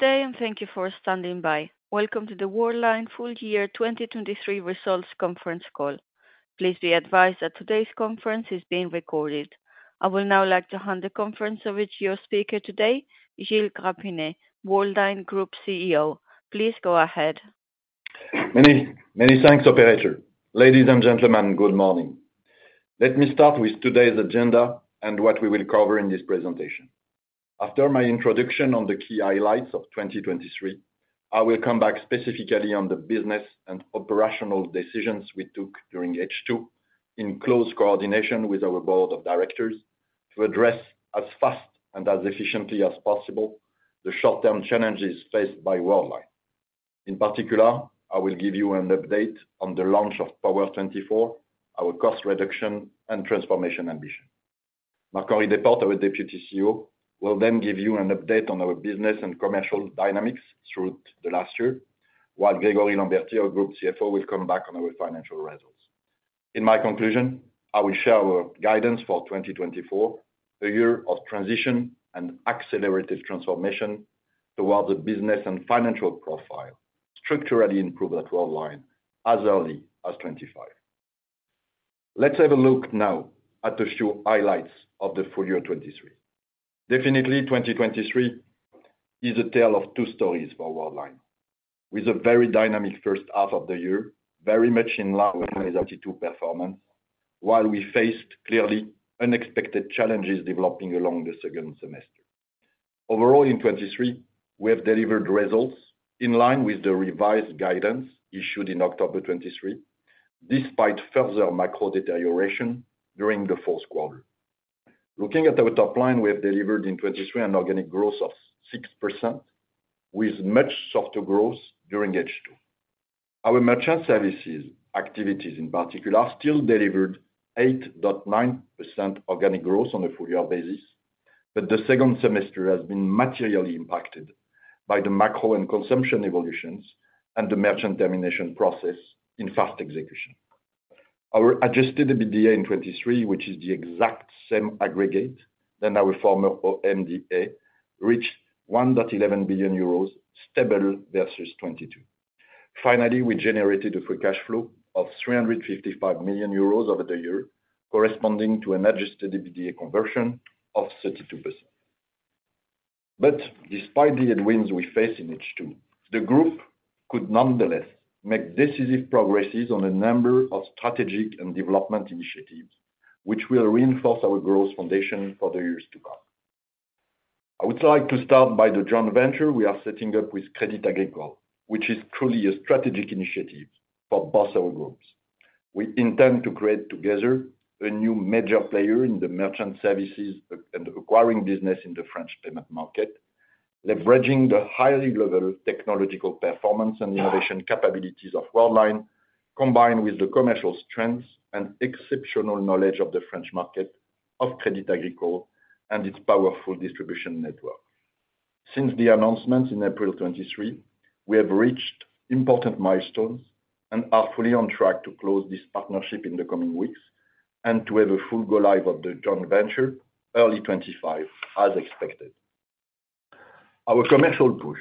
Good day and thank you for standing by. Welcome to the Worldline full year 2023 results conference call. Please be advised that today's conference is being recorded. I will now like to hand the conference over to your speaker today, Gilles Grapinet, Worldline Group CEO. Please go ahead. Many, many thanks, Operator. Ladies and gentlemen, good morning. Let me start with today's agenda and what we will cover in this presentation. After my introduction on the key highlights of 2023, I will come back specifically on the business and operational decisions we took during H2 in close coordination with our board of directors to address as fast and as efficiently as possible the short-term challenges faced by Worldline. In particular, I will give you an update on the launch of Power24, our cost reduction and transformation ambition. Marc-Henri Desportes, our Deputy CEO, will then give you an update on our business and commercial dynamics throughout the last year, while Grégory Lambertie, our Group CFO, will come back on our financial results. In my conclusion, I will share our guidance for 2024, a year of transition and accelerative transformation towards a business and financial profile structurally improved at Worldline as early as 2025. Let's have a look now at the few highlights of the full year 2023. Definitely, 2023 is a tale of two stories for Worldline, with a very dynamic first half of the year, very much in line with 2022 performance, while we faced, clearly, unexpected challenges developing along the second semester. Overall, in 2023, we have delivered results in line with the revised guidance issued in October 2023, despite further macro deterioration during the fourth quarter. Looking at our top line, we have delivered in 2023 an organic growth of 6%, with much softer growth during H2. Our merchant services activities, in particular, still delivered 8.9% organic growth on a full year basis, but the second semester has been materially impacted by the macro and consumption evolutions and the merchant termination process in fast execution. Our adjusted EBITDA in 2023, which is the exact same aggregate than our former OMDA, reached EUR 1.11 billion, stable versus 2022. Finally, we generated a free cash flow of 355 million euros over the year, corresponding to an adjusted EBITDA conversion of 32%. But despite the headwinds we face in H2, the group could nonetheless make decisive progresses on a number of strategic and development initiatives, which will reinforce our growth foundation for the years to come. I would like to start by the joint venture we are setting up with Crédit Agricole, which is truly a strategic initiative for both our groups. We intend to create together a new major player in the merchant services and acquiring business in the French payment market, leveraging the highly level technological performance and innovation capabilities of Worldline, combined with the commercial strengths and exceptional knowledge of the French market of Crédit Agricole and its powerful distribution network. Since the announcements in April 2023, we have reached important milestones and are fully on track to close this partnership in the coming weeks and to have a full go-live of the joint venture early 2025, as expected. Our commercial push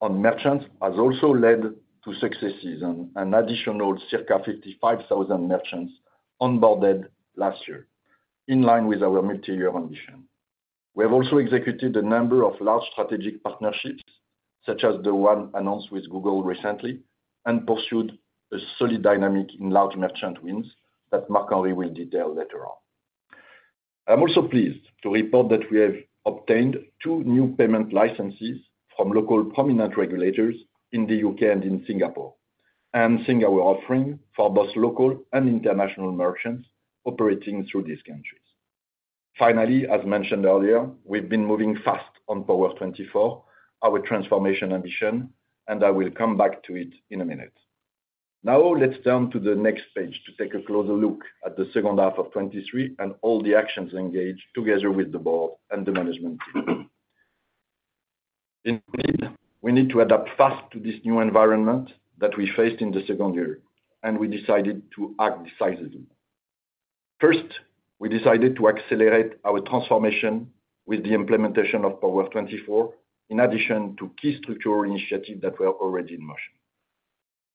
on merchants has also led to successes and an additional circa 55,000 merchants onboarded last year, in line with our multi-year ambition. We have also executed a number of large strategic partnerships, such as the one announced with Google recently, and pursued a solid dynamic in large merchant wins that Marc-Henri will detail later on. I'm also pleased to report that we have obtained two new payment licenses from local prominent regulators in the U.K. and in Singapore, and seeing our offering for both local and international merchants operating through these countries. Finally, as mentioned earlier, we've been moving fast on Power24, our transformation ambition, and I will come back to it in a minute. Now, let's turn to the next page to take a closer look at the second half of 2023 and all the actions engaged together with the board and the management team. Indeed, we need to adapt fast to this new environment that we faced in the second year, and we decided to act decisively. First, we decided to accelerate our transformation with the implementation of Power24, in addition to key structural initiatives that were already in motion.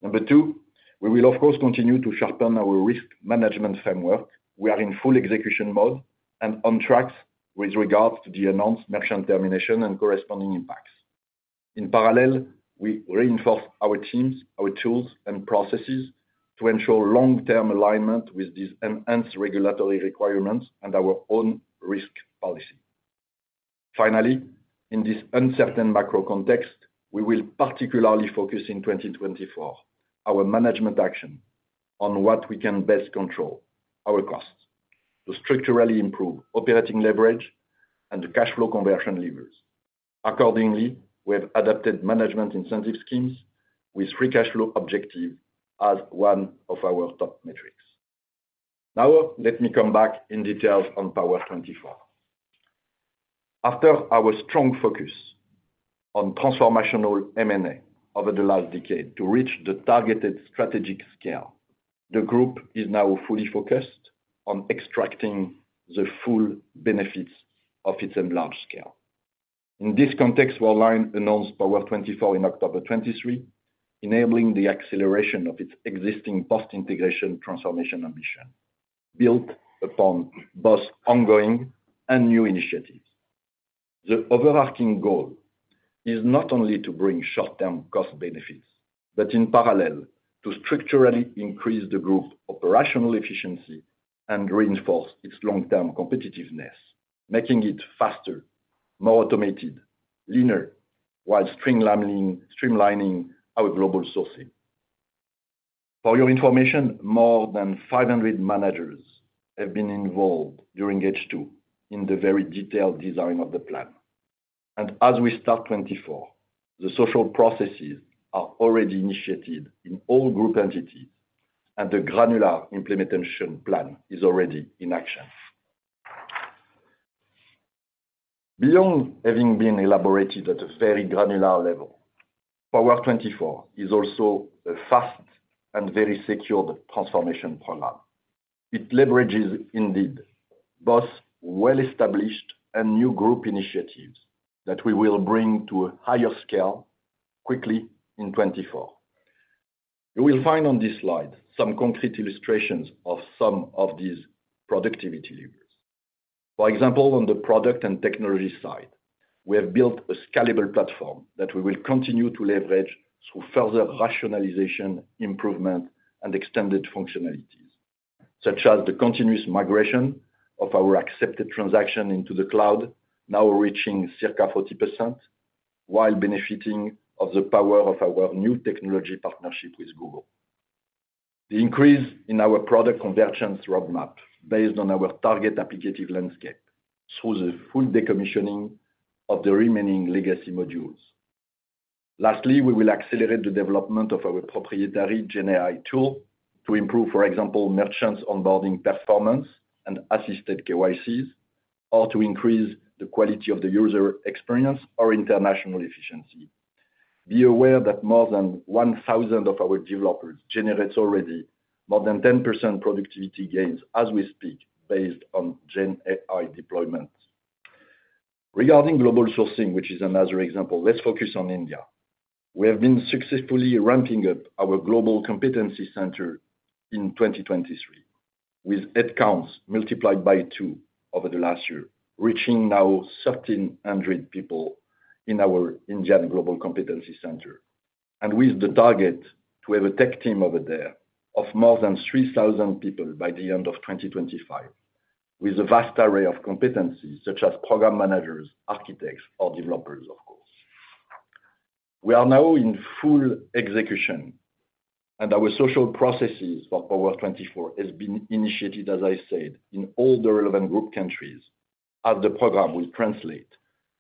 Number two, we will, of course, continue to sharpen our risk management framework. We are in full execution mode and on track with regards to the announced merchant termination and corresponding impacts. In parallel, we reinforce our teams, our tools, and processes to ensure long-term alignment with these enhanced regulatory requirements and our own risk policy. Finally, in this uncertain macro context, we will particularly focus in 2024, our management action, on what we can best control, our costs, to structurally improve operating leverage and cash flow conversion levers. Accordingly, we have adapted management incentive schemes with free cash flow objective as one of our top metrics. Now, let me come back in detail on Power24. After our strong focus on transformational M&A over the last decade to reach the targeted strategic scale, the group is now fully focused on extracting the full benefits of its enlarged scale. In this context, Worldline announced Power24 in October 2023, enabling the acceleration of its existing post-integration transformation ambition, built upon both ongoing and new initiatives. The overarching goal is not only to bring short-term cost benefits, but in parallel, to structurally increase the group's operational efficiency and reinforce its long-term competitiveness, making it faster, more automated, leaner, while streamlining our global sourcing. For your information, more than 500 managers have been involved during H2 in the very detailed design of the plan. As we start 2024, the social processes are already initiated in all group entities, and the granular implementation plan is already in action. Beyond having been elaborated at a very granular level, Power24 is also a fast and very secured transformation program. It leverages, indeed, both well-established and new group initiatives that we will bring to a higher scale quickly in 2024. You will find on this slide some concrete illustrations of some of these productivity levers. For example, on the product and technology side, we have built a scalable platform that we will continue to leverage through further rationalization, improvement, and extended functionalities, such as the continuous migration of our accepted transaction into the cloud, now reaching circa 40%, while benefiting of the power of our new technology partnership with Google. The increase in our product conversion roadmap, based on our target applicative landscape, through the full decommissioning of the remaining legacy modules. Lastly, we will accelerate the development of our proprietary GenAI tool to improve, for example, merchants' onboarding performance and assisted KYCs, or to increase the quality of the user experience or international efficiency. Be aware that more than 1,000 of our developers generate already more than 10% productivity gains as we speak, based on GenAI deployment. Regarding global sourcing, which is another example, let's focus on India. We have been successfully ramping up our global competency center in 2023, with headcounts multiplied by two over the last year, reaching now 1,300 people in our Indian global competency center, and with the target to have a tech team over there of more than 3,000 people by the end of 2025, with a vast array of competencies such as program managers, architects, or developers, of course. We are now in full execution, and our social processes for Power24 have been initiated, as I said, in all the relevant group countries, as the program will translate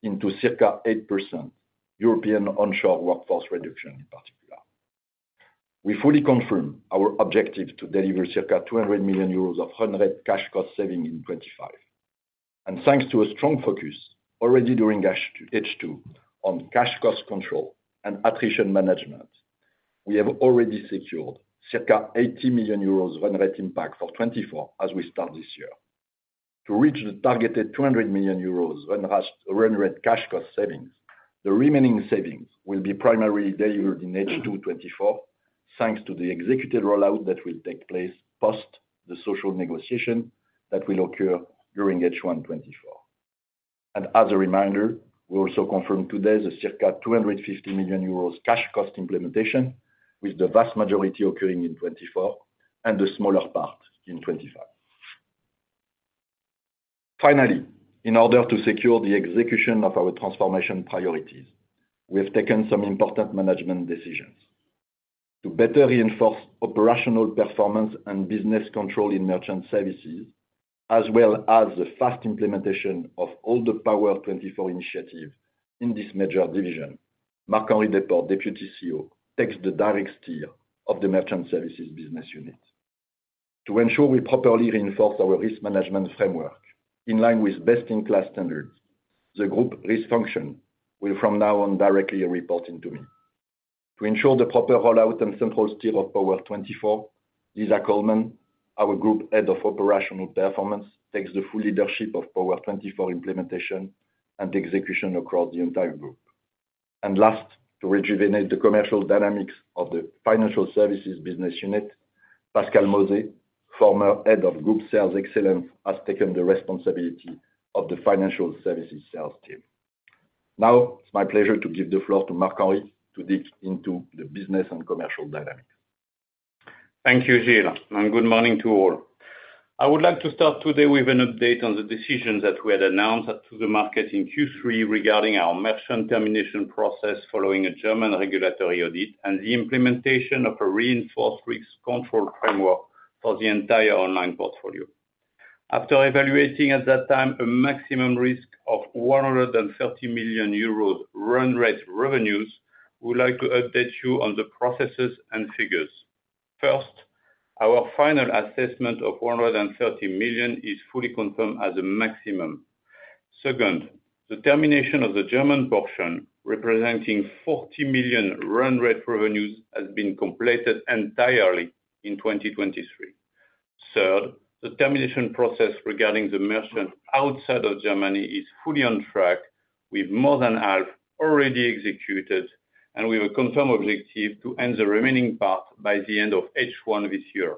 into circa 8% European onshore workforce reduction, in particular. We fully confirm our objective to deliver circa 200 million euros of run rate cash cost saving in 2025. Thanks to a strong focus already during H2 on cash cost control and attrition management, we have already secured circa 80 million euros run rate impact for 2024 as we start this year. To reach the targeted 200 million euros run rate cash cost savings, the remaining savings will be primarily delivered in H2 2024, thanks to the executed rollout that will take place post the social negotiation that will occur during H1 2024. And as a reminder, we also confirm today the circa 250 million euros cash cost implementation, with the vast majority occurring in 2024 and the smaller part in 2025. Finally, in order to secure the execution of our transformation priorities, we have taken some important management decisions. To better reinforce operational performance and business control in merchant services, as well as the fast implementation of all the Power24 initiatives in this major division, Marc-Henri Desportes, Deputy CEO, takes the direct steer of the merchant services business unit. To ensure we properly reinforce our risk management framework in line with best-in-class standards, the group risk function will from now on directly report into me. To ensure the proper rollout and central steer of Power24, Lisa Coleman, our group head of operational performance, takes the full leadership of Power24 implementation and execution across the entire group. And last, to rejuvenate the commercial dynamics of the financial services business unit, Pascal Mauzé, former head of group sales excellence, has taken the responsibility of the financial services sales team. Now, it's my pleasure to give the floor to Marc-Henri to dig into the business and commercial dynamics. Thank you, Gilles, and good morning to all. I would like to start today with an update on the decisions that we had announced to the market in Q3 regarding our merchant termination process following a German regulatory audit and the implementation of a reinforced risk control framework for the entire online portfolio. After evaluating at that time a maximum risk of 130 million euros run rate revenues, we would like to update you on the processes and figures. First, our final assessment of 130 million is fully confirmed as a maximum. Second, the termination of the German portion, representing 40 million run rate revenues, has been completed entirely in 2023. Third, the termination process regarding the merchants outside of Germany is fully on track, with more than half already executed, and with a confirmed objective to end the remaining part by the end of H1 this year.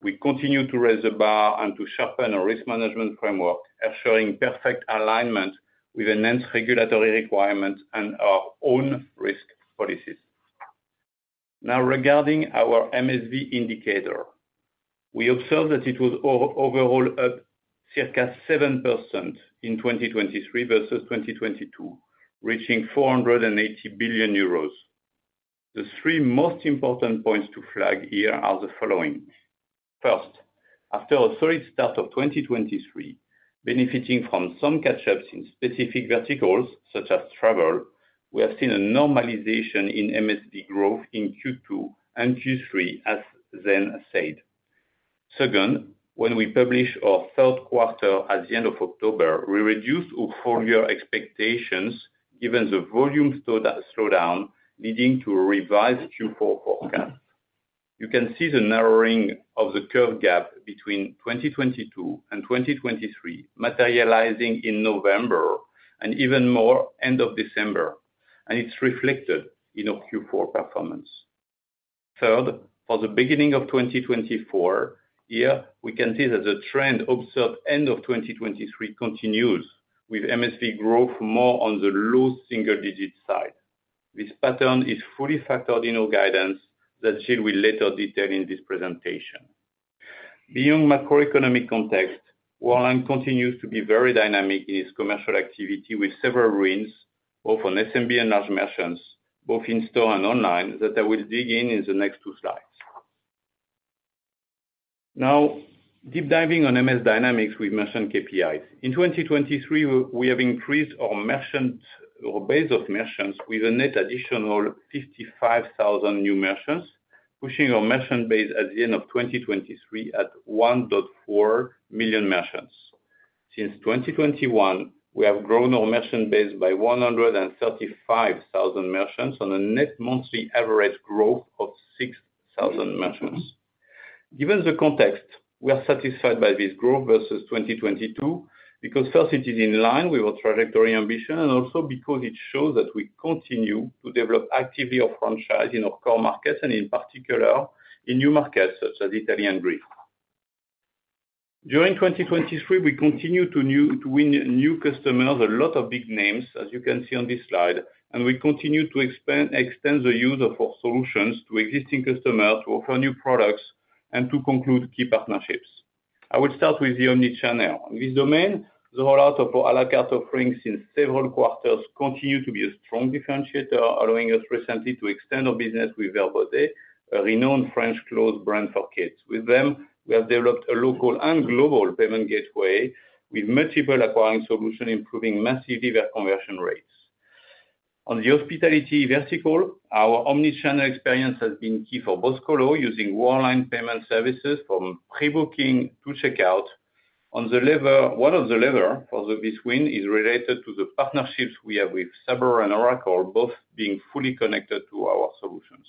We continue to raise the bar and to sharpen our risk management framework, ensuring perfect alignment with enhanced regulatory requirements and our own risk policies. Now, regarding our MSV indicator, we observed that it was overall up circa 7% in 2023 versus 2022, reaching 480 billion euros. The three most important points to flag here are the following. First, after a solid start of 2023, benefiting from some catch-ups in specific verticals such as travel, we have seen a normalization in MSV growth in Q2 and Q3, as then said. Second, when we publish our third quarter at the end of October, we reduced our full-year expectations given the volume slowdown leading to a revised Q4 forecast. You can see the narrowing of the curve gap between 2022 and 2023 materializing in November and even more end of December, and it's reflected in our Q4 performance. Third, for the beginning of 2024, here, we can see that the trend observed end of 2023 continues, with MSV growth more on the low single-digit side. This pattern is fully factored in our guidance that Gilles will later detail in this presentation. Beyond macroeconomic context, Worldline continues to be very dynamic in its commercial activity with several wins, both on SMB and large merchants, both in-store and online, that I will dig in in the next two slides. Now, deep diving on MS dynamics with merchant KPIs. In 2023, we have increased our base of merchants with a net additional 55,000 new merchants, pushing our merchant base at the end of 2023 at 1.4 million merchants. Since 2021, we have grown our merchant base by 135,000 merchants on a net monthly average growth of 6,000 merchants. Given the context, we are satisfied by this growth versus 2022 because, first, it is in line with our trajectory ambition, and also because it shows that we continue to develop actively our franchise in our core markets and, in particular, in new markets such as Italy and Greece. During 2023, we continue to win new customers, a lot of big names, as you can see on this slide, and we continue to extend the use of our solutions to existing customers to offer new products and to conclude key partnerships. I will start with the omnichannel. In this domain, the rollout of our à la carte offerings in several quarters continues to be a strong differentiator, allowing us recently to extend our business with Vertbaudet, a renowned French clothes brand for kids. With them, we have developed a local and global payment gateway with multiple acquiring solutions improving massively their conversion rates. On the hospitality vertical, our omnichannel experience has been key for Boscolo, using Worldline payment services from pre-booking to checkout. One of the levers for this win is related to the partnerships we have with Sabre and Oracle, both being fully connected to our solutions.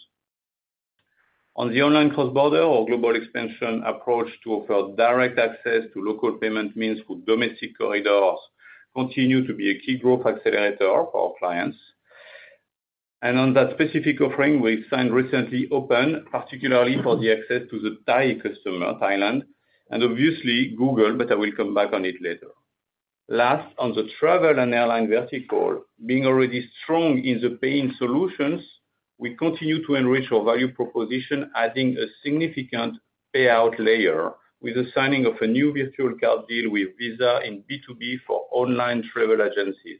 On the online cross-border, our global expansion approach to offer direct access to local payment means through domestic corridors continues to be a key growth accelerator for our clients. On that specific offering, we signed one recently, particularly for the access to the Thai customer, Thailand, and obviously Google, but I will come back on it later. Last, on the travel and airline vertical, being already strong in the paying solutions, we continue to enrich our value proposition, adding a significant payout layer with the signing of a new virtual card deal with Visa in B2B for online travel agencies.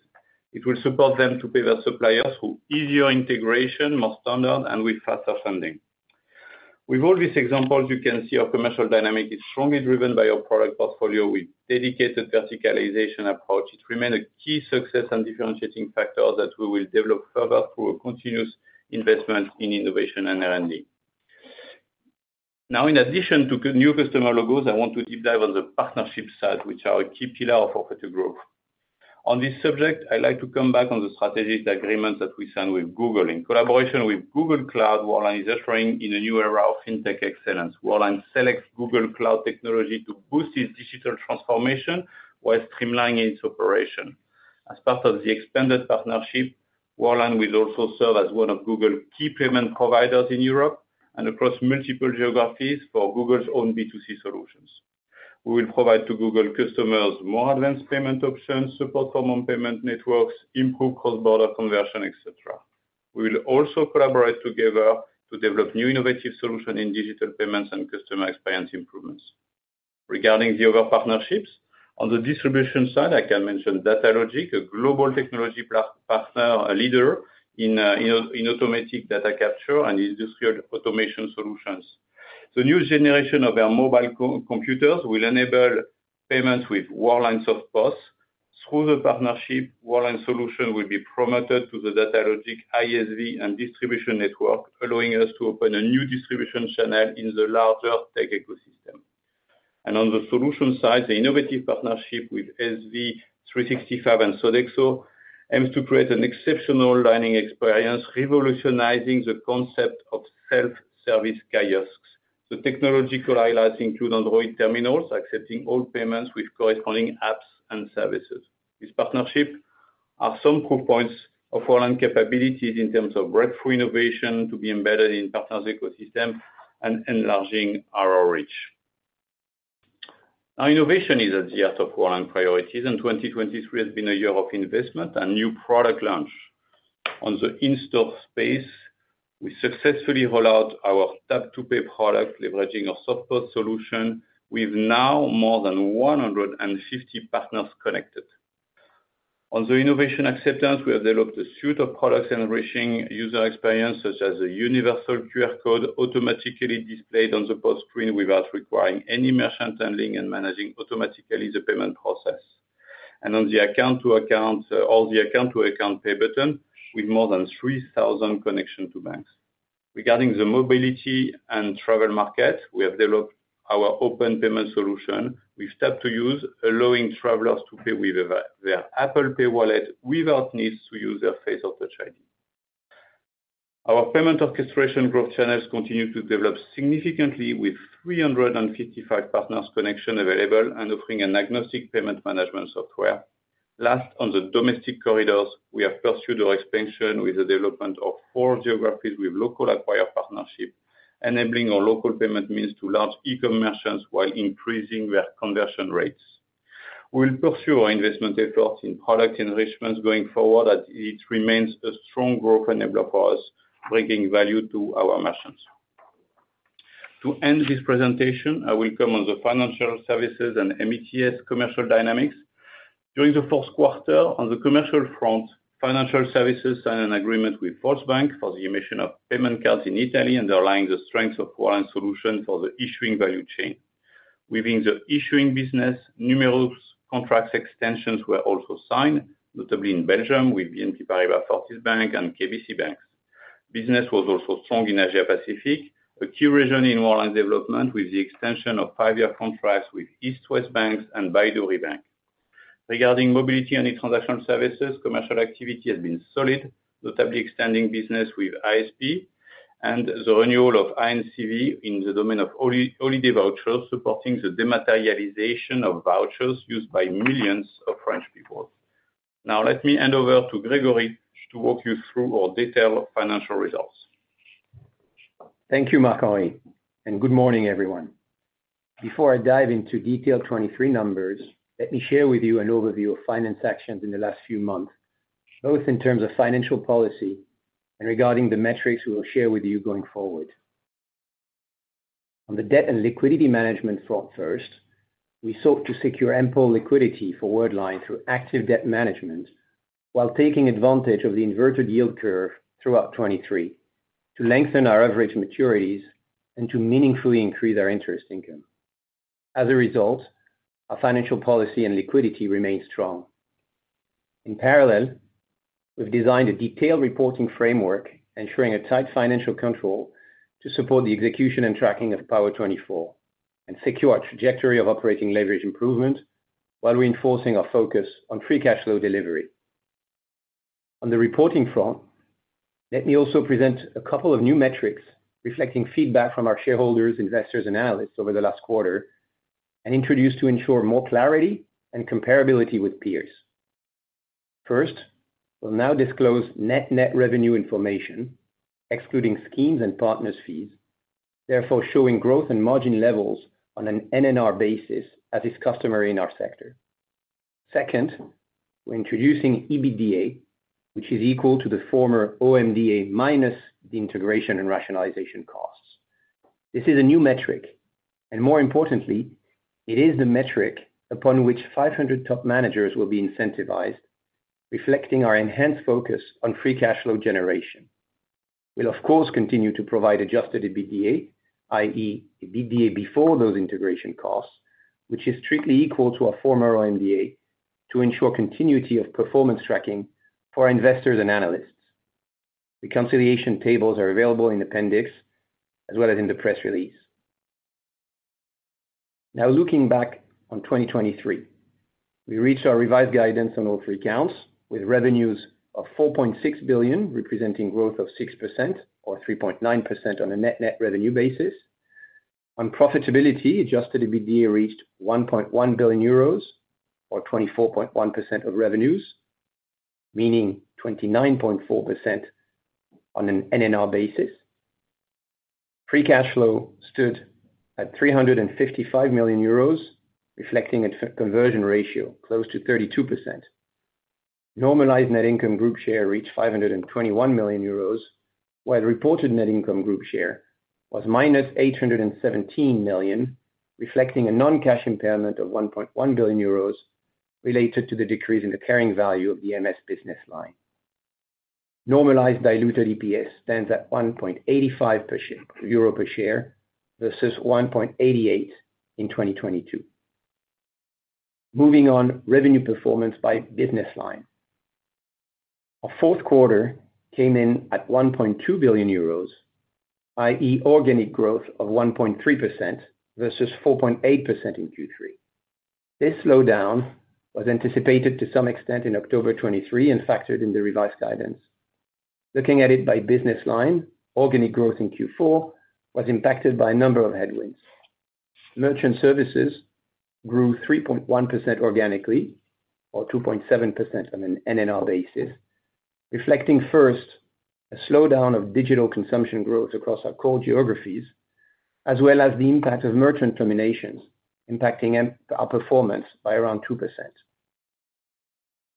It will support them to pay their suppliers through easier integration, more standard, and with faster funding. With all these examples, you can see our commercial dynamic is strongly driven by our product portfolio with dedicated verticalization approach. It remains a key success and differentiating factor that we will develop further through continuous investment in innovation and R&D. Now, in addition to new customer logos, I want to deep dive on the partnership side, which are a key pillar of our growth. On this subject, I'd like to come back on the strategic agreements that we signed with Google. In collaboration with Google Cloud, Worldline is entering in a new era of fintech excellence. Worldline selects Google Cloud technology to boost its digital transformation while streamlining its operation. As part of the expanded partnership, Worldline will also serve as one of Google's key payment providers in Europe and across multiple geographies for Google's own B2C solutions. We will provide to Google customers more advanced payment options, support for more payment networks, improved cross-border conversion, etc. We will also collaborate together to develop new innovative solutions in digital payments and customer experience improvements. Regarding the other partnerships, on the distribution side, I can mention Datalogic, a global technology partner, a leader in automatic data capture and industrial automation solutions. The new generation of their mobile computers will enable payments with Worldline SoftPOS. Through the partnership, Worldline solutions will be promoted to the Datalogic ISV and distribution network, allowing us to open a new distribution channel in the larger tech ecosystem. On the solution side, the innovative partnership with SV365 and Sodexo aims to create an exceptional dining experience, revolutionizing the concept of self-service kiosks. The technological highlights include Android terminals accepting all payments with corresponding apps and services. These partnerships are some proof points of Worldline's capabilities in terms of breakthrough innovation to be embedded in partners' ecosystems and enlarging our reach. Now, innovation is at the heart of Worldline's priorities, and 2023 has been a year of investment and new product launch. On the in-store space, we successfully rolled out our tap-to-pay product, leveraging our software solution with now more than 150 partners connected. On the innovation acceptance, we have developed a suite of products enriching user experience, such as a universal QR code automatically displayed on the post screen without requiring any merchant handling and managing automatically the payment process. On the account-to-account or the account-to-account pay button, with more than 3,000 connections to banks. Regarding the mobility and travel market, we have developed our open payment solution with tap-to-use, allowing travelers to pay with their Apple Pay Wallet without need to use their Face ID or Touch ID. Our payment orchestration growth channels continue to develop significantly with 355 partners' connections available and offering an agnostic payment management software. Last, on the domestic corridors, we have pursued our expansion with the development of four geographies with local acquirer partnerships, enabling our local payment means to large e-commerciants while increasing their conversion rates. We will pursue our investment efforts in product enrichments going forward as it remains a strong growth enabler for us, bringing value to our merchants. To end this presentation, I will come on the Financial Services and MeTS commercial dynamics. During the fourth quarter, on the commercial front, Financial Services signed an agreement with Volksbank for the issuance of payment cards in Italy underlying the strengths of Worldline's solution for the issuing value chain. Within the issuing business, numerous contract extensions were also signed, notably in Belgium with BNP Paribas Fortis and KBC Bank. Business was also strong in Asia-Pacific, a key region in Worldline's development with the extension of five-year contracts with East West Bank and Baiduri Bank. Regarding mobility and e-transactional services, commercial activity has been solid, notably extending business with ISP and the renewal of ANCV in the domain of holiday vouchers, supporting the dematerialization of vouchers used by millions of French people. Now, let me hand over to Grégory to walk you through our detailed financial results. Thank you, Marc-Henri, and good morning, everyone. Before I dive into detailed 2023 numbers, let me share with you an overview of finance actions in the last few months, both in terms of financial policy and regarding the metrics we will share with you going forward. On the debt and liquidity management front first, we sought to secure ample liquidity for Worldline through active debt management while taking advantage of the inverted yield curve throughout 2023 to lengthen our average maturities and to meaningfully increase our interest income. As a result, our financial policy and liquidity remain strong. In parallel, we've designed a detailed reporting framework, ensuring a tight financial control to support the execution and tracking of Power24 and secure our trajectory of operating leverage improvement while reinforcing our focus on free cash flow delivery. On the reporting front, let me also present a couple of new metrics reflecting feedback from our shareholders, investors, and analysts over the last quarter and introduce to ensure more clarity and comparability with peers. First, we'll now disclose Net Net Revenue information, excluding schemes and partners' fees, therefore showing growth and margin levels on an NNR basis as is customary in our sector. Second, we're introducing EBITDA, which is equal to the former OMDA minus the integration and rationalization costs. This is a new metric, and more importantly, it is the metric upon which 500 top managers will be incentivized, reflecting our enhanced focus on free cash flow generation. We'll, of course, continue to provide adjusted EBITDA, i.e., EBITDA before those integration costs, which is strictly equal to our former OMDA, to ensure continuity of performance tracking for our investors and analysts. Reconciliation tables are available in the appendix as well as in the press release. Now, looking back on 2023, we reached our revised guidance on all three accounts with revenues of 4.6 billion, representing growth of 6% or 3.9% on a Net Net Revenue basis. On profitability, Adjusted EBITDA reached 1.1 billion euros or 24.1% of revenues, meaning 29.4% on an NNR basis. Free cash flow stood at 355 million euros, reflecting a conversion ratio close to 32%. Normalized net income group share reached 521 million euros, while reported net income group share was minus 817 million, reflecting a non-cash impairment of 1.1 billion euros related to the decrease in the carrying value of the MS business line. Normalized diluted EPS stands at 1.85 euro per share versus 1.88 in 2022. Moving on, revenue performance by business line. Our fourth quarter came in at 1.2 billion euros, i.e., organic growth of 1.3% versus 4.8% in Q3. This slowdown was anticipated to some extent in October 2023 and factored in the revised guidance. Looking at it by business line, organic growth in Q4 was impacted by a number of headwinds. Merchant services grew 3.1% organically or 2.7% on an NNR basis, reflecting first a slowdown of digital consumption growth across our core geographies as well as the impact of merchant terminations impacting our performance by around 2%.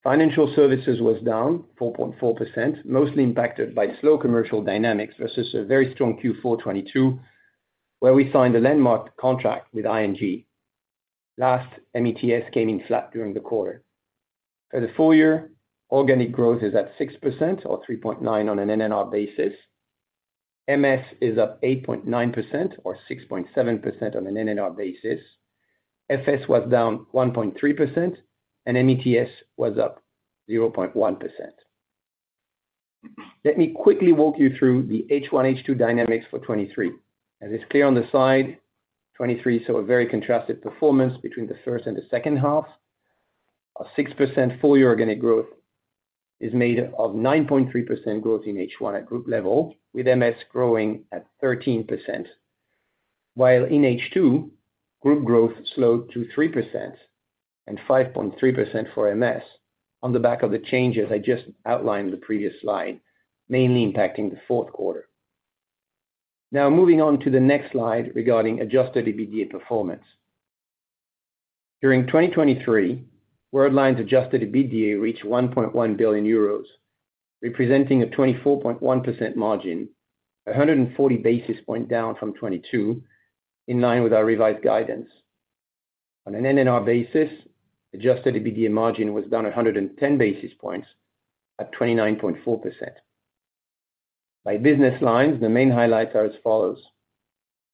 Financial services was down 4.4%, mostly impacted by slow commercial dynamics versus a very strong Q4 2022 where we signed a landmark contract with ING. Last, METS came in flat during the quarter. For the full year, organic growth is at 6% or 3.9% on an NNR basis. MS is up 8.9% or 6.7% on an NNR basis. FS was down 1.3%, and METS was up 0.1%. Let me quickly walk you through the H1/H2 dynamics for 2023. As is clear on the slide, 2023 saw a very contrasted performance between the first and the second half. Our 6% full year organic growth is made of 9.3% growth in H1 at group level, with MS growing at 13%, while in H2, group growth slowed to 3% and 5.3% for MS on the back of the changes I just outlined in the previous slide, mainly impacting the fourth quarter. Now, moving on to the next slide regarding adjusted EBITDA performance. During 2023, Worldline's adjusted EBITDA reached 1.1 billion euros, representing a 24.1% margin, 140 basis points down from 2022 in line with our revised guidance. On an NNR basis, adjusted EBITDA margin was down 110 basis points at 29.4%. By business lines, the main highlights are as follows.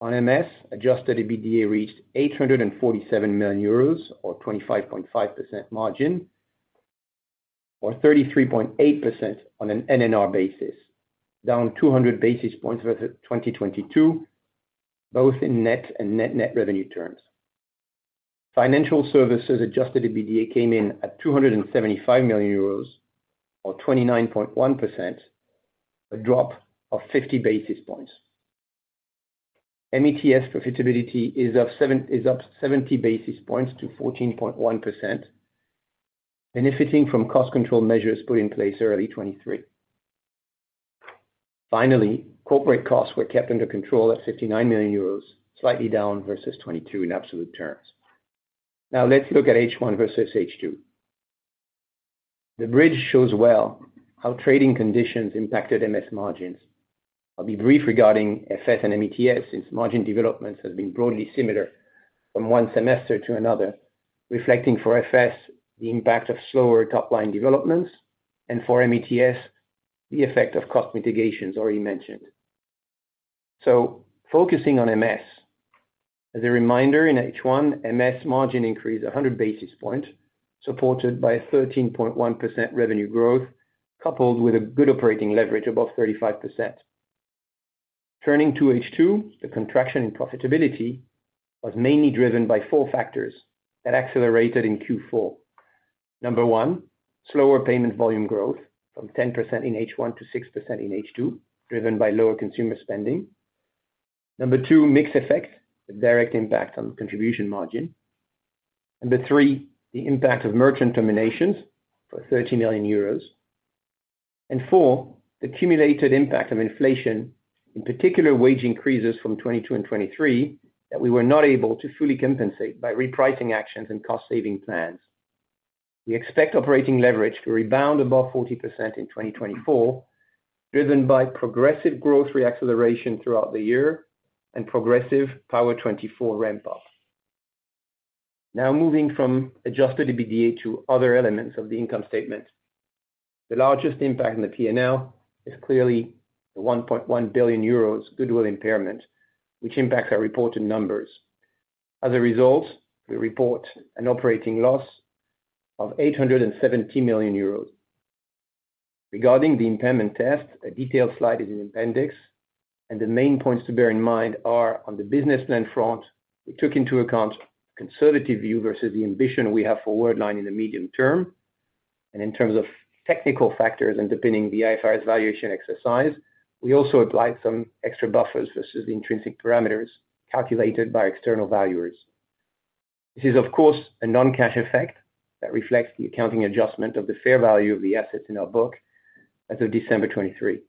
On MS, Adjusted EBITDA reached 847 million euros or 25.5% margin or 33.8% on an NNR basis, down 200 basis points versus 2022, both in net and net net revenue terms. Financial services Adjusted EBITDA came in at 275 million euros or 29.1%, a drop of 50 basis points. METS profitability is up 70 basis points to 14.1%, benefiting from cost control measures put in place early 2023. Finally, corporate costs were kept under control at 59 million euros, slightly down versus 2022 in absolute terms. Now, let's look at H1 versus H2. The bridge shows well how trading conditions impacted MS margins. I'll be brief regarding FS and METS since margin developments have been broadly similar from one semester to another, reflecting for FS the impact of slower top-line developments and for METS the effect of cost mitigations already mentioned. So, focusing on MS, as a reminder, in H1, MS margin increased 100 basis points, supported by 13.1% revenue growth coupled with a good operating leverage above 35%. Turning to H2, the contraction in profitability was mainly driven by four factors that accelerated in Q4. Number one, slower payment volume growth from 10% in H1 to 6% in H2, driven by lower consumer spending. Number two, mixed effect, the direct impact on the contribution margin. Number three, the impact of merchant terminations for 30 million euros. And four, the cumulated impact of inflation, in particular wage increases from 2022 and 2023 that we were not able to fully compensate by repricing actions and cost-saving plans. We expect operating leverage to rebound above 40% in 2024, driven by progressive growth reacceleration throughout the year and progressive Power 24 ramp-up. Now, moving from Adjusted EBITDA to other elements of the income statement, the largest impact in the P&L is clearly the 1.1 billion euros goodwill impairment, which impacts our reported numbers. As a result, we report an operating loss of 870 million euros. Regarding the impairment test, a detailed slide is in the appendix, and the main points to bear in mind are on the business plan front, we took into account a conservative view versus the ambition we have for Worldline in the medium term, and in terms of technical factors and depending on the IFRS valuation exercise, we also applied some extra buffers versus the intrinsic parameters calculated by external valuers. This is, of course, a non-cash effect that reflects the accounting adjustment of the fair value of the assets in our book as of December 2023.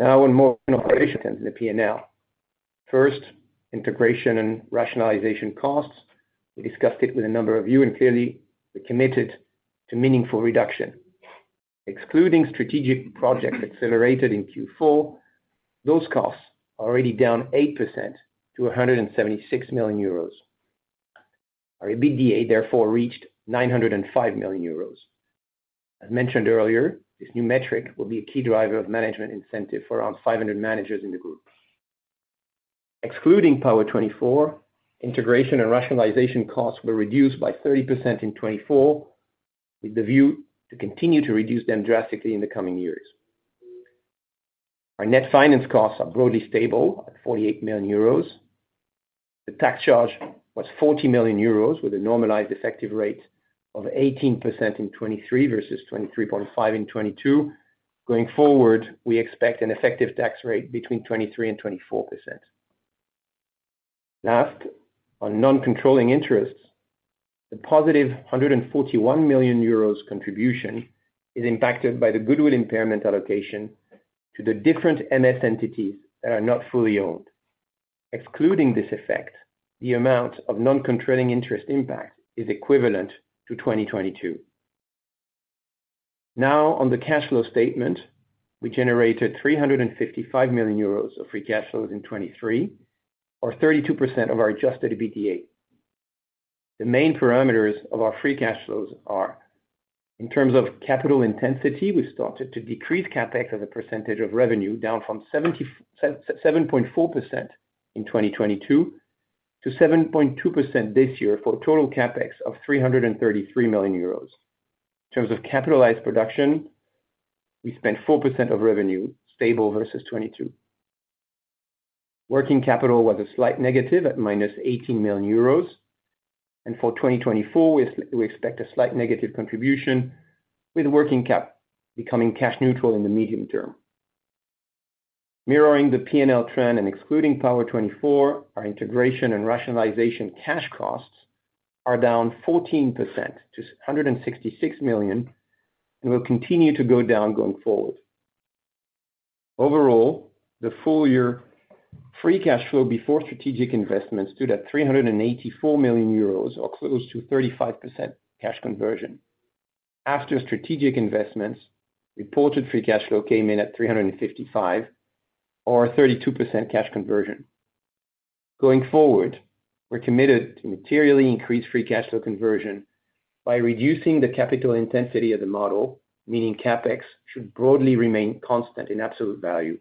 Now, one more operation in the P&L. First, integration and rationalization costs. We discussed it with a number of you, and clearly, we committed to meaningful reduction. Excluding strategic projects accelerated in Q4, those costs are already down 8% to 176 million euros. Our EBITDA, therefore, reached 905 million euros. As mentioned earlier, this new metric will be a key driver of management incentive for around 500 managers in the group. Excluding Power24, integration and rationalization costs were reduced by 30% in 2024 with the view to continue to reduce them drastically in the coming years. Our net finance costs are broadly stable at 48 million euros. The tax charge was 40 million euros with a normalized effective rate of 18% in 2023 versus 23.5% in 2022. Going forward, we expect an effective tax rate between 23%-24%. Last, on non-controlling interests, the positive 141 million euros contribution is impacted by the goodwill impairment allocation to the different MS entities that are not fully owned. Excluding this effect, the amount of non-controlling interest impact is equivalent to 2022. Now, on the cash flow statement, we generated 355 million euros of free cash flows in 2023 or 32% of our adjusted EBITDA. The main parameters of our free cash flows are: in terms of capital intensity, we started to decrease CapEx as a percentage of revenue, down from 7.4% in 2022 to 7.2% this year for a total CapEx of 333 million euros. In terms of capitalized production, we spent 4% of revenue, stable versus 2022. Working capital was a slight negative at -18 million euros, and for 2024, we expect a slight negative contribution with working cap becoming cash neutral in the medium term. Mirroring the P&L trend and excluding Power24, our integration and rationalization cash costs are down 14% to 166 million and will continue to go down going forward. Overall, the full-year free cash flow before strategic investments stood at 384 million euros or close to 35% cash conversion. After strategic investments, reported free cash flow came in at 355 million or 32% cash conversion. Going forward, we're committed to materially increase free cash flow conversion by reducing the capital intensity of the model, meaning CapEx should broadly remain constant in absolute value.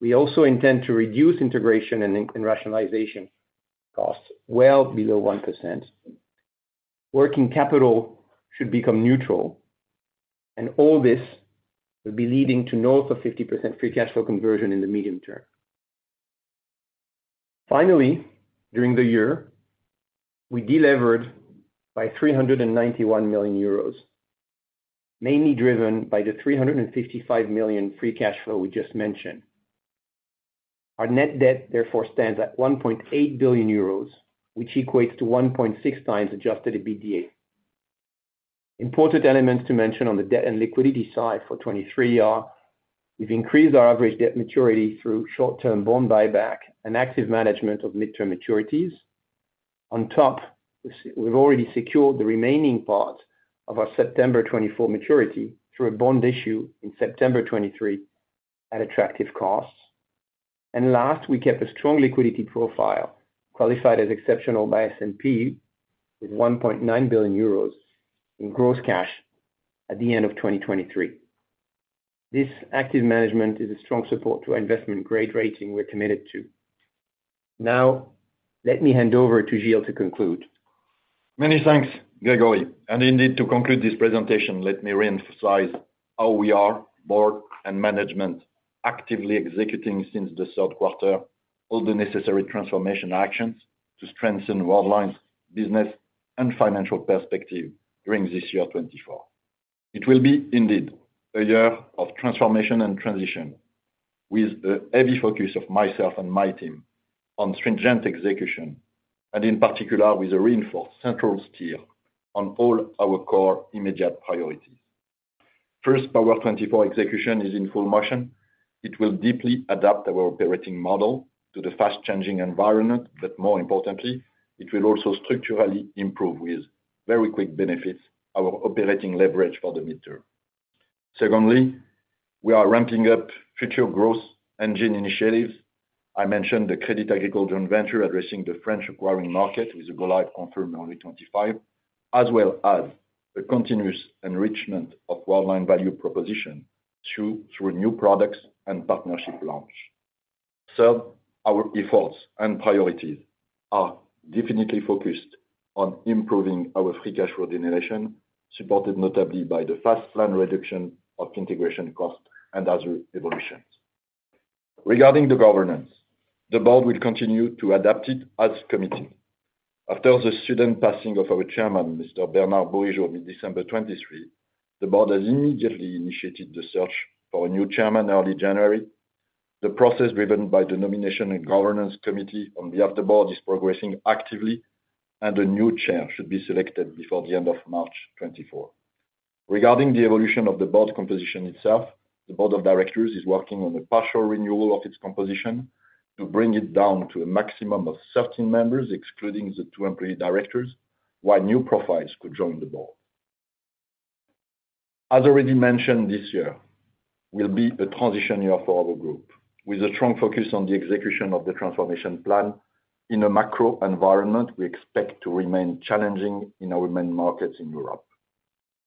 We also intend to reduce integration and rationalization costs well below 1%. Working capital should become neutral, and all this will be leading to north of 50% free cash flow conversion in the medium term. Finally, during the year, we delivered by 391 million euros, mainly driven by the 355 million free cash flow we just mentioned. Our net debt, therefore, stands at 1.8 billion euros, which equates to 1.6x adjusted EBITDA. Important elements to mention on the debt and liquidity side for 2023 are: we've increased our average debt maturity through short-term bond buyback and active management of midterm maturities. On top, we've already secured the remaining part of our September 2024 maturity through a bond issue in September 2023 at attractive costs. And last, we kept a strong liquidity profile, qualified as exceptional by S&P, with 1.9 billion euros in gross cash at the end of 2023. This active management is a strong support to our investment grade rating we're committed to. Now, let me hand over to Gilles to conclude. Many thanks, Grégory. Indeed, to conclude this presentation, let me reemphasize how we are, board and management, actively executing since the third quarter all the necessary transformation actions to strengthen Worldline's business and financial perspective during this year 2024. It will be indeed a year of transformation and transition with a heavy focus of myself and my team on stringent execution and, in particular, with a reinforced central steer on all our core immediate priorities. First, Power24 execution is in full motion. It will deeply adapt our operating model to the fast-changing environment, but more importantly, it will also structurally improve with very quick benefits our operating leverage for the midterm. Secondly, we are ramping up future growth engine initiatives. I mentioned the Crédit Agricole Joint Venture addressing the French acquiring market with a go-live confirmed early 2025, as well as a continuous enrichment of Worldline value proposition through new products and partnership launch. Third, our efforts and priorities are definitely focused on improving our free cash generation, supported notably by the Power24 plan reduction of integration costs and other evolutions. Regarding the governance, the board will continue to adapt it as committed. After the sudden passing of our chairman, Mr. Bernard Bourigeaud, mid-December 2023, the board has immediately initiated the search for a new chairman early January. The process driven by the nomination and governance committee on behalf of the board is progressing actively, and a new chair should be selected before the end of March 2024. Regarding the evolution of the board composition itself, the board of directors is working on a partial renewal of its composition to bring it down to a maximum of 13 members, excluding the two employee directors, while new profiles could join the board. As already mentioned this year, it will be a transition year for our group with a strong focus on the execution of the transformation plan in a macro environment we expect to remain challenging in our main markets in Europe.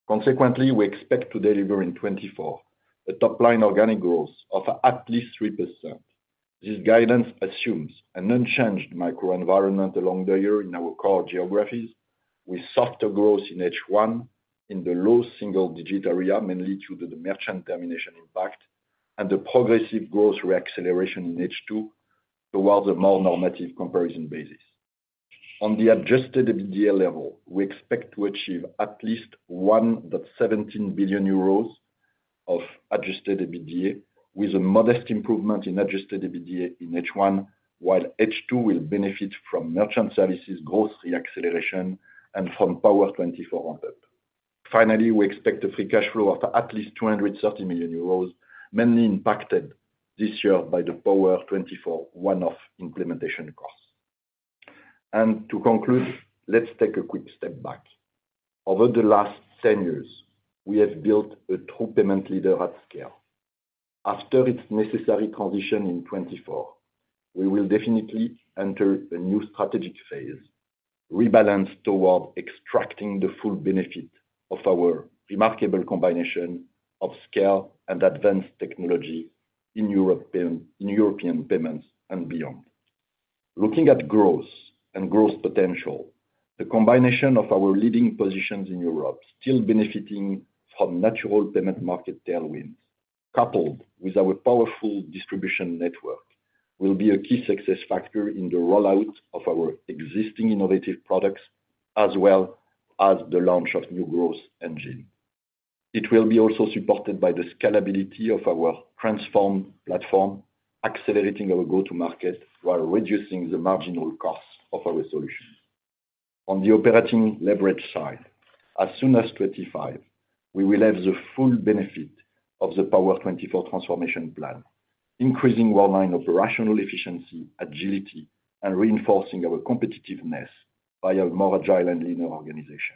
Consequently, we expect to deliver in 2024 a top-line organic growth of at least 3%. This guidance assumes an unchanged microenvironment along the year in our core geographies, with softer growth in H1 in the low single-digit area, mainly due to the merchant termination impact, and a progressive growth reacceleration in H2 towards a more normative comparison basis. On the adjusted EBITDA level, we expect to achieve at least 1.17 billion euros of adjusted EBITDA with a modest improvement in adjusted EBITDA in H1, while H2 will benefit from merchant services growth reacceleration and from Power24 ramp-up. Finally, we expect a free cash flow of at least 230 million euros, mainly impacted this year by the Power24 one-off implementation costs. To conclude, let's take a quick step back. Over the last 10 years, we have built a true payment leader at scale. After its necessary transition in 2024, we will definitely enter a new strategic phase, rebalanced toward extracting the full benefit of our remarkable combination of scale and advanced technology in European payments and beyond. Looking at growth and growth potential, the combination of our leading positions in Europe, still benefiting from natural payment market tailwinds coupled with our powerful distribution network, will be a key success factor in the rollout of our existing innovative products as well as the launch of new growth engines. It will be also supported by the scalability of our transformed platform, accelerating our go-to-market while reducing the marginal costs of our solutions. On the operating leverage side, as soon as 2025, we will have the full benefit of the Power24 transformation plan, increasing Worldline operational efficiency, agility, and reinforcing our competitiveness via a more agile and leaner organization.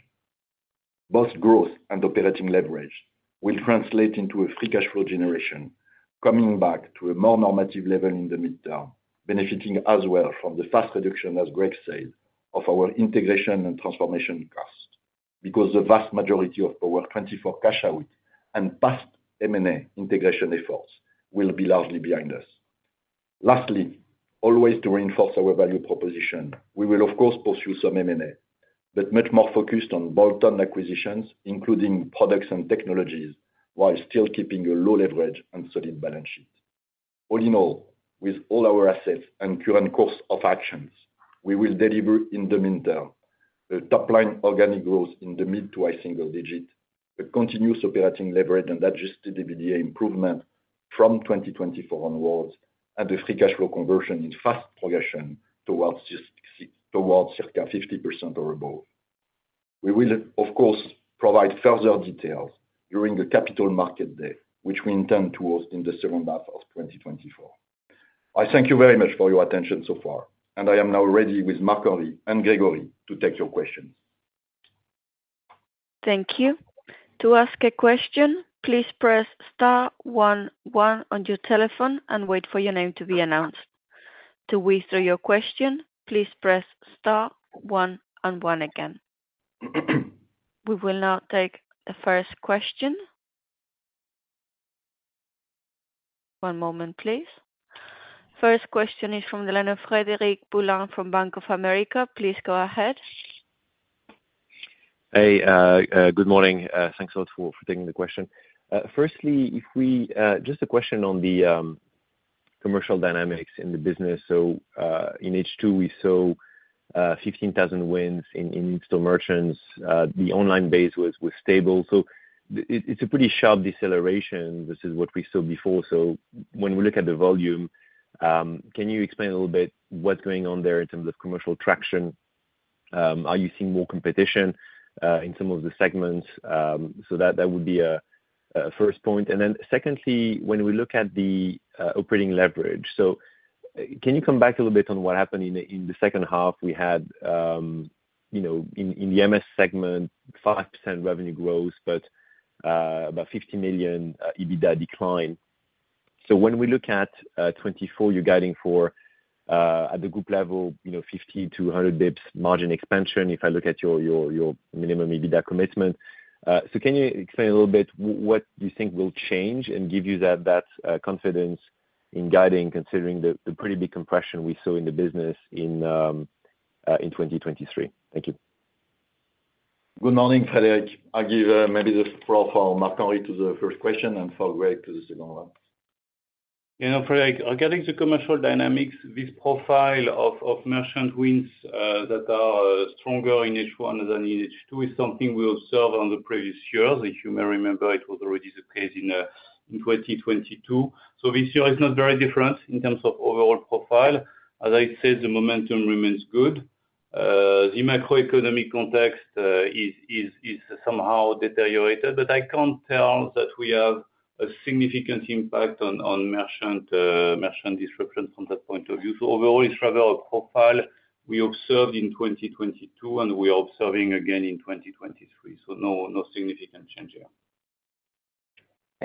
Both growth and operating leverage will translate into a free cash flow generation, coming back to a more normative level in the midterm, benefiting as well from the fast reduction, as Greg said, of our integration and transformation costs because the vast majority of Power24 cash out and past M&A integration efforts will be largely behind us. Lastly, always to reinforce our value proposition, we will, of course, pursue some M&A, but much more focused on bolt-on acquisitions, including products and technologies, while still keeping a low leverage and solid balance sheet. All in all, with all our assets and current course of actions, we will deliver in the midterm a top-line organic growth in the mid- to high single-digit, a continuous operating leverage and adjusted EBITDA improvement from 2024 onwards, and a free cash flow conversion in fast progression towards circa 50% or above. We will, of course, provide further details during the Capital Market Day, which we intend to host in the second half of 2024. I thank you very much for your attention so far, and I am now ready with Marc-Henri and Grégory to take your questions. Thank you. To ask a question, please press star one one on your telephone and wait for your name to be announced. To whisper your question, please press star one and one again. We will now take the first question. One moment, please. First question is from the line of Frederic Boulan from Bank of America. Please go ahead. Hey, good morning. Thanks a lot for taking the question. Firstly, just a question on the commercial dynamics in the business. So in H2, we saw 15,000 wins in install merchants. The online base was stable. So it's a pretty sharp deceleration versus what we saw before. So when we look at the volume, can you explain a little bit what's going on there in terms of commercial traction? Are you seeing more competition in some of the segments? So that would be a first point. And then secondly, when we look at the operating leverage, so can you come back a little bit on what happened in the second half? We had, in the MS segment, 5% revenue growth but about 50 million EBITDA decline. When we look at 2024, you're guiding for, at the group level, 50-100 basis points margin expansion if I look at your minimum EBITDA commitment. Can you explain a little bit what you think will change and give you that confidence in guiding, considering the pretty big compression we saw in the business in 2023? Thank you. Good morning, Frederic. I'll give maybe the profile of Marc-Henri to the first question and for Greg to the second one. Frederic, regarding the commercial dynamics, this profile of merchant wins that are stronger in H1 than in H2 is something we observed on the previous years. If you may remember, it was already the case in 2022. So this year is not very different in terms of overall profile. As I said, the momentum remains good. The macroeconomic context is somehow deteriorated, but I can't tell that we have a significant impact on merchant disruption from that point of view. So overall, it's rather a profile we observed in 2022, and we are observing again in 2023. So no significant change here.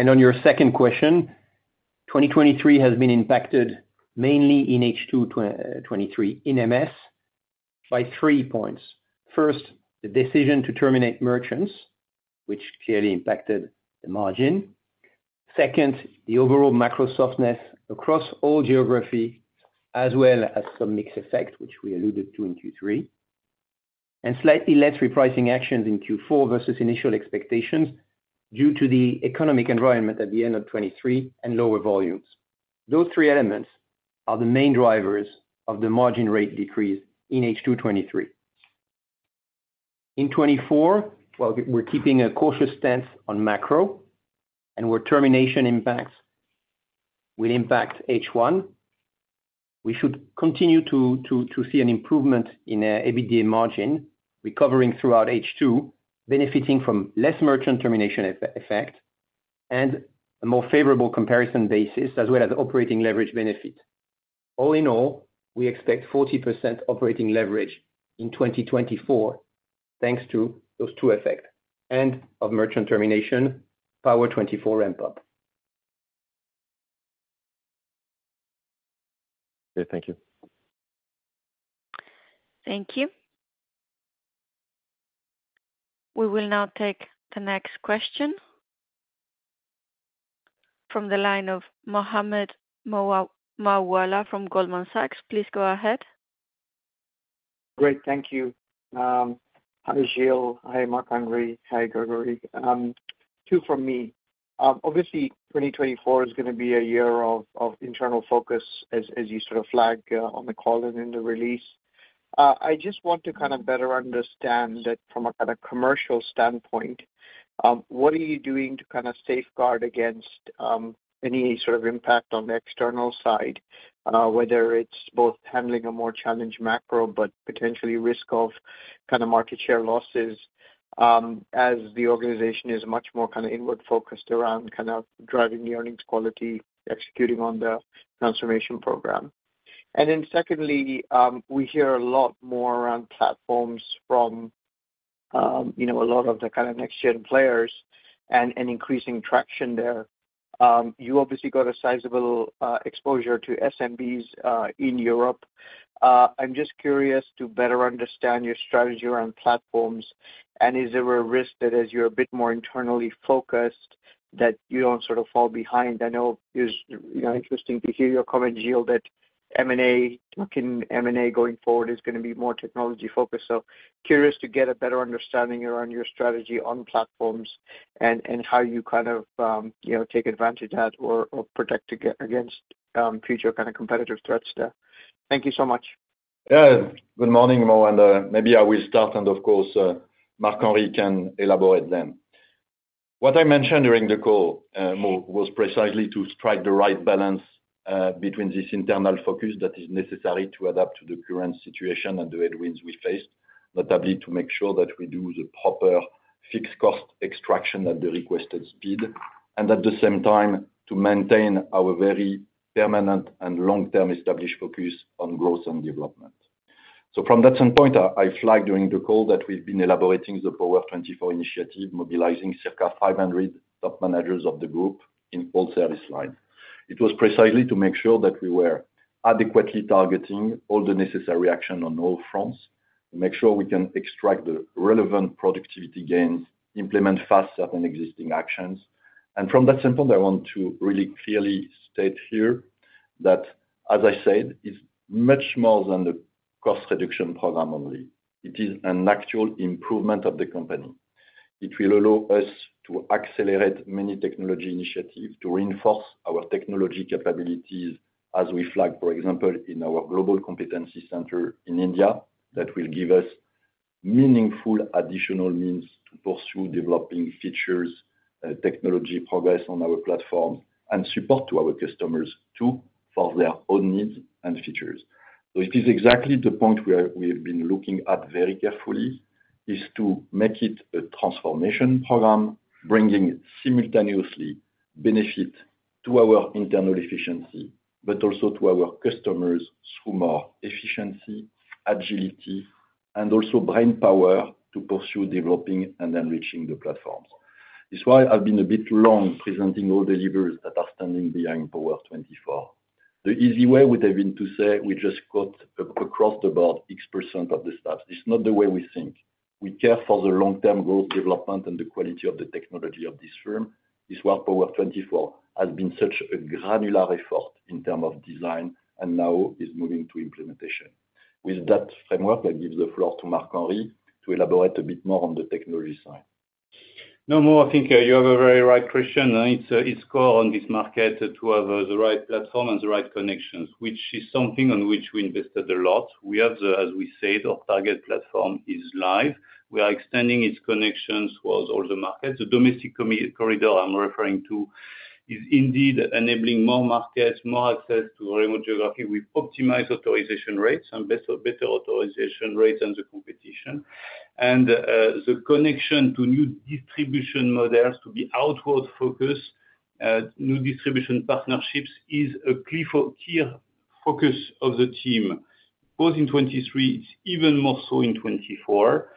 On your second question, 2023 has been impacted mainly in H2 2023 in MS by three points. First, the decision to terminate merchants, which clearly impacted the margin. Second, the overall macro-softness across all geography, as well as some mixed effect, which we alluded to in Q3. And slightly less repricing actions in Q4 versus initial expectations due to the economic environment at the end of 2023 and lower volumes. Those three elements are the main drivers of the margin rate decrease in H2 2023. In 2024, well, we're keeping a cautious stance on macro, and where termination impacts will impact H1, we should continue to see an improvement in EBITDA margin, recovering throughout H2, benefiting from less merchant termination effect, and a more favorable comparison basis, as well as operating leverage benefit. All in all, we expect 40% operating leverage in 2024 thanks to those two effects and of merchant termination, Power24 ramp-up. Okay. Thank you. Thank you. We will now take the next question from the line of Mohammed Moawalla from Goldman Sachs. Please go ahead. Great. Thank you. Hi, Gilles. Hi, Marc-Henri. Hi, Grégory. Two from me. Obviously, 2024 is going to be a year of internal focus, as you sort of flagged on the call and in the release. I just want to kind of better understand that from a kind of commercial standpoint, what are you doing to kind of safeguard against any sort of impact on the external side, whether it's both handling a more challenged macro but potentially risk of kind of market share losses as the organization is much more kind of inward-focused around kind of driving the earnings quality, executing on the transformation program? And then secondly, we hear a lot more around platforms from a lot of the kind of next-gen players and increasing traction there. You obviously got a sizable exposure to SMBs in Europe. I'm just curious to better understand your strategy around platforms. Is there a risk that as you're a bit more internally focused, that you don't sort of fall behind? I know it's interesting to hear your comment, Gilles, that talking M&A going forward is going to be more technology-focused. So curious to get a better understanding around your strategy on platforms and how you kind of take advantage of that or protect against future kind of competitive threats there. Thank you so much. Yeah. Good morning, Mohamed. Maybe I will start, and of course, Marc-Henri can elaborate then. What I mentioned during the call was precisely to strike the right balance between this internal focus that is necessary to adapt to the current situation and the headwinds we faced, notably to make sure that we do the proper fixed-cost extraction at the requested speed and at the same time to maintain our very permanent and long-term established focus on growth and development. So from that standpoint, I flagged during the call that we've been elaborating the Power24 initiative, mobilizing circa 500 top managers of the group in all service lines. It was precisely to make sure that we were adequately targeting all the necessary actions on all fronts, to make sure we can extract the relevant productivity gains, implement fast certain existing actions. And from that standpoint, I want to really clearly state here that, as I said, it's much more than the cost reduction program only. It is an actual improvement of the company. It will allow us to accelerate many technology initiatives, to reinforce our technology capabilities, as we flagged, for example, in our global competency center in India, that will give us meaningful additional means to pursue developing features, technology progress on our platforms, and support to our customers too for their own needs and features. So it is exactly the point we have been looking at very carefully, is to make it a transformation program bringing simultaneously benefit to our internal efficiency but also to our customers through more efficiency, agility, and also brainpower to pursue developing and enriching the platforms. It's why I've been a bit long presenting all the leaders that are standing behind Power24. The easy way would have been to say we just got across the board X% of the staff. It's not the way we think. We care for the long-term growth, development, and the quality of the technology of this firm. It's why Power24 has been such a granular effort in terms of design and now is moving to implementation. With that framework, I give the floor to Marc-Henri to elaborate a bit more on the technology side. No more. I think you have a very right question. It's core on this market to have the right platform and the right connections, which is something on which we invested a lot. We have, as we said, our target platform is live. We are extending its connections towards all the markets. The domestic corridor I'm referring to is indeed enabling more markets, more access to remote geography. We've optimized authorization rates and better authorization rates than the competition. And the connection to new distribution models to be outward-focused, new distribution partnerships is a key focus of the team. Both in 2023, it's even more so in 2024.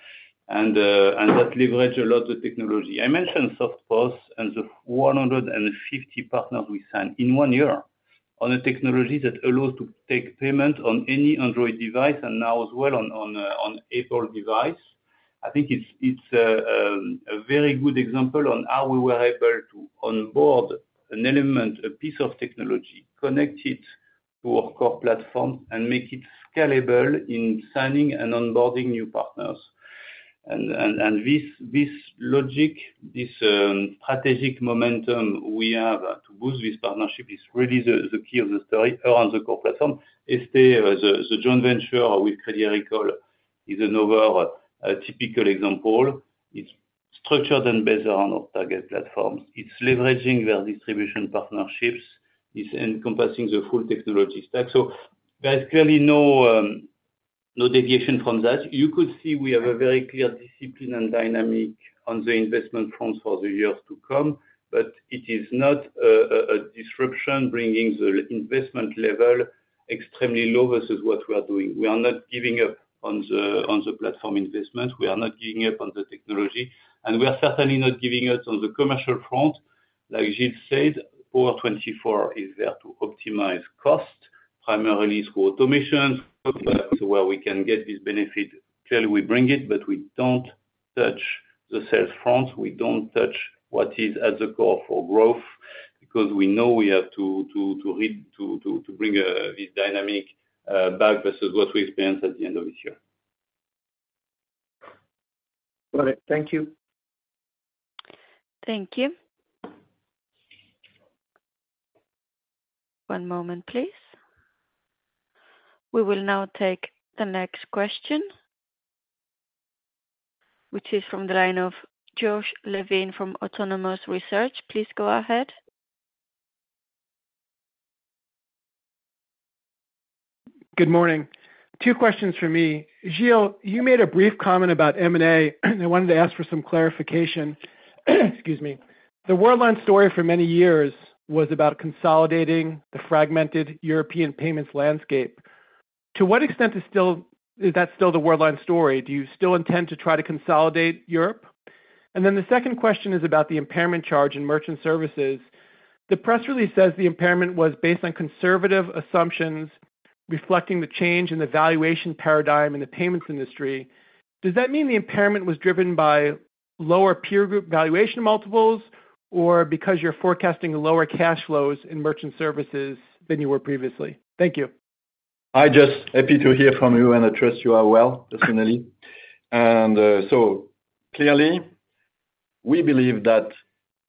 And that leveraged a lot of the technology. I mentioned SoftPOS and the 150 partners we signed in one year on a technology that allows to take payment on any Android device and now as well on Apple device. I think it's a very good example on how we were able to onboard an element, a piece of technology, connect it to our core platforms, and make it scalable in signing and onboarding new partners. This logic, this strategic momentum we have to boost this partnership is really the key of the story around the core platform. ESTE, the joint venture with Crédit Agricole is another typical example. It's structured and based around our target platforms. It's leveraging their distribution partnerships. It's encompassing the full technology stack. So there is clearly no deviation from that. You could see we have a very clear discipline and dynamic on the investment fronts for the years to come, but it is not a disruption bringing the investment level extremely low versus what we are doing. We are not giving up on the platform investment. We are not giving up on the technology. We are certainly not giving up on the commercial front. Like Gilles said, Power24 is there to optimize cost primarily through automations. Where we can get this benefit, clearly we bring it, but we don't touch the sales fronts. We don't touch what is at the core for growth because we know we have to bring this dynamic back versus what we experience at the end of this year. Got it. Thank you. Thank you. One moment, please. We will now take the next question, which is from the line of Josh Levin from Autonomous Research. Please go ahead. Good morning. Two questions for me. Gilles, you made a brief comment about M&A, and I wanted to ask for some clarification. Excuse me. The Worldline story for many years was about consolidating the fragmented European payments landscape. To what extent is that still the Worldline story? Do you still intend to try to consolidate Europe? And then the second question is about the impairment charge in merchant services. The press release says the impairment was based on conservative assumptions reflecting the change in the valuation paradigm in the payments industry. Does that mean the impairment was driven by lower peer group valuation multiples or because you're forecasting lower cash flows in merchant services than you were previously? Thank you. Hi, Josh. Happy to hear from you, and I trust you are well, personally. And so clearly, we believe that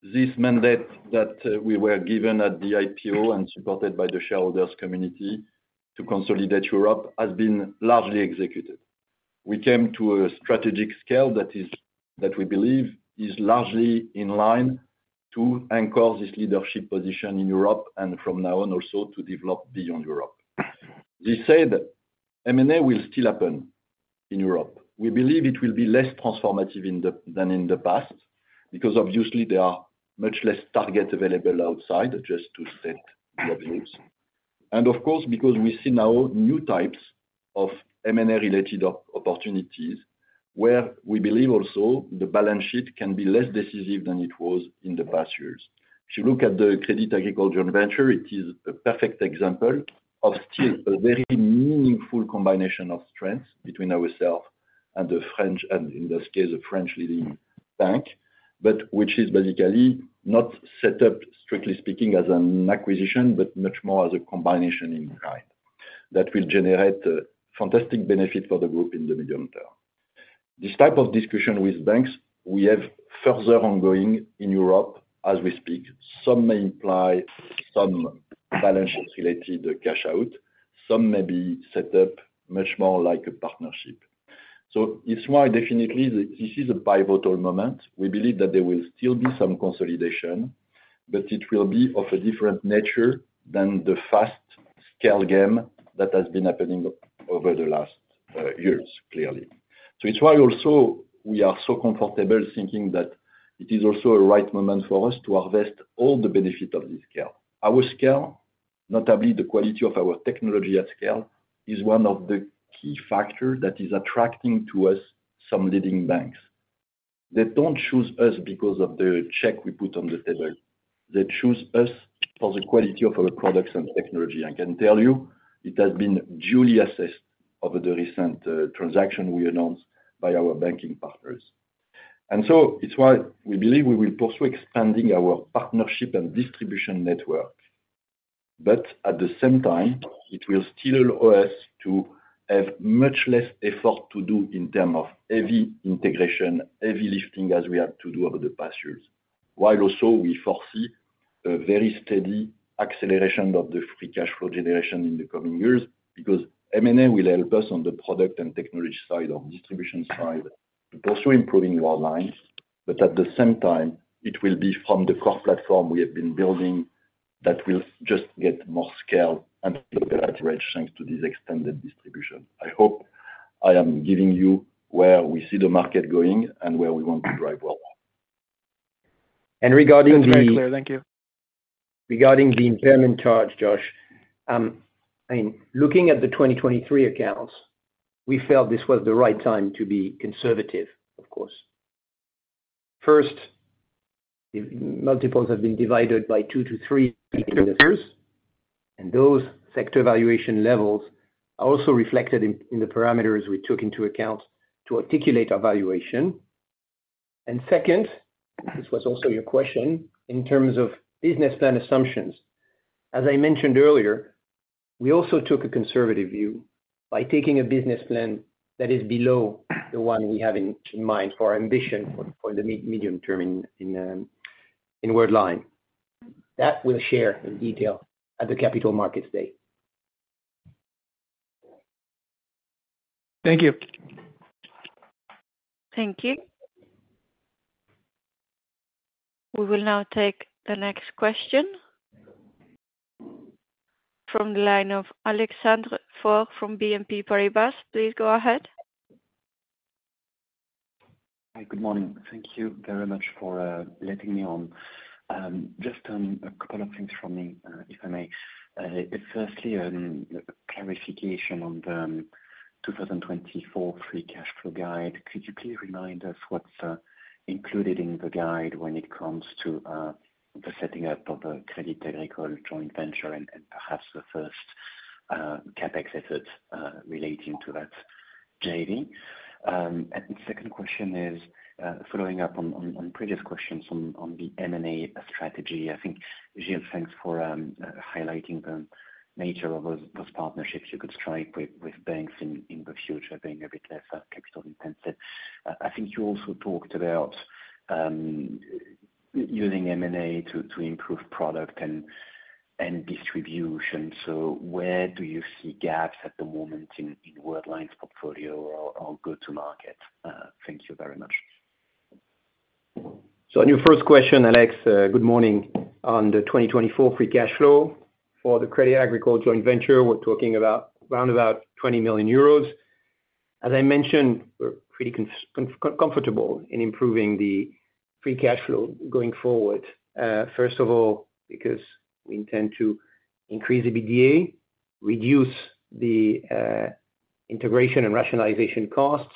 this mandate that we were given at the IPO and supported by the shareholders' community to consolidate Europe has been largely executed. We came to a strategic scale that we believe is largely in line to anchor this leadership position in Europe and from now on also to develop beyond Europe. This said, M&A will still happen in Europe. We believe it will be less transformative than in the past because, obviously, there are much less targets available outside, just to state the obvious. And of course, because we see now new types of M&A-related opportunities where we believe also the balance sheet can be less decisive than it was in the past years. If you look at the Crédit Agricole joint venture, it is a perfect example of still a very meaningful combination of strengths between ourselves and the French, and in this case, a French-leading bank, which is basically not set up, strictly speaking, as an acquisition but much more as a combination in kind that will generate fantastic benefit for the group in the medium term. This type of discussion with banks, we have further ongoing in Europe as we speak. Some may imply some balance sheet-related cash out. Some may be set up much more like a partnership. So it's why, definitely, this is a pivotal moment. We believe that there will still be some consolidation, but it will be of a different nature than the fast-scale game that has been happening over the last years, clearly. So it's why also we are so comfortable thinking that it is also a right moment for us to harvest all the benefit of this scale. Our scale, notably the quality of our technology at scale, is one of the key factors that is attracting to us some leading banks. They don't choose us because of the check we put on the table. They choose us for the quality of our products and technology. I can tell you it has been duly assessed over the recent transaction we announced by our banking partners. And so it's why we believe we will pursue expanding our partnership and distribution network. But at the same time, it will still allow us to have much less effort to do in terms of heavy integration, heavy lifting as we had to do over the past years, while also we foresee a very steady acceleration of the free cash flow generation in the coming years because M&A will help us on the product and technology side or distribution side to pursue improving Worldline. But at the same time, it will be from the core platform we have been building that will just get more scale and leverage thanks to this extended distribution. I hope I am giving you where we see the market going and where we want to drive Worldline. Regarding the. Thank you. Regarding the impairment charge, Josh, I mean, looking at the 2023 accounts, we felt this was the right time to be conservative, of course. First, multiples have been divided by 2-3 indicators, and those sector valuation levels are also reflected in the parameters we took into account to articulate our valuation. Second, this was also your question, in terms of business plan assumptions. As I mentioned earlier, we also took a conservative view by taking a business plan that is below the one we have in mind for ambition for the medium term in Worldline. That we'll share in detail at the Capital Markets Day. Thank you. Thank you. We will now take the next question from the line of Alexandre Faure from BNP Paribas. Please go ahead. Hi. Good morning. Thank you very much for letting me on. Just a couple of things from me, if I may. Firstly, a clarification on the 2024 free cash flow guide. Could you please remind us what's included in the guide when it comes to the setting up of the Crédit Agricole joint venture and perhaps the first CapEx effort relating to that, JV? And the second question is following up on previous questions on the M&A strategy. I think, Gilles, thanks for highlighting the nature of those partnerships you could strike with banks in the future being a bit less capital-intensive. I think you also talked about using M&A to improve product and distribution. So where do you see gaps at the moment in Worldline's portfolio or go-to-market? Thank you very much. On your first question, Alex, good morning. On the 2024 free cash flow for the Crédit Agricole joint venture, we're talking around about 20 million euros. As I mentioned, we're pretty comfortable in improving the free cash flow going forward, first of all, because we intend to increase EBITDA, reduce the integration and rationalization costs,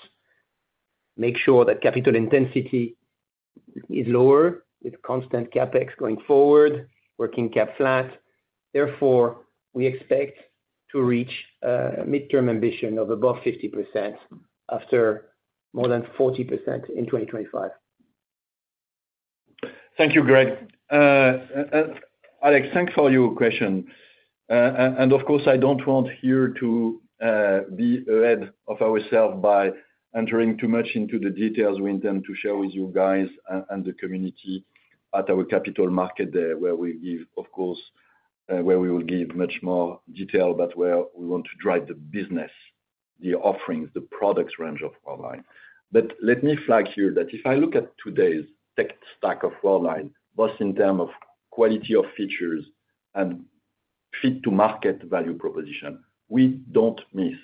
make sure that capital intensity is lower with constant CapEx going forward, working cap flat. Therefore, we expect to reach a midterm ambition of above 50% after more than 40% in 2025. Thank you, Greg. Alex, thanks for your question. Of course, I don't want here to be ahead of ourselves by entering too much into the details we intend to share with you guys and the community at our capital market there where we give, of course, where we will give much more detail but where we want to drive the business, the offerings, the products range of Worldline. But let me flag here that if I look at today's tech stack of Worldline, both in terms of quality of features and fit-to-market value proposition, we don't miss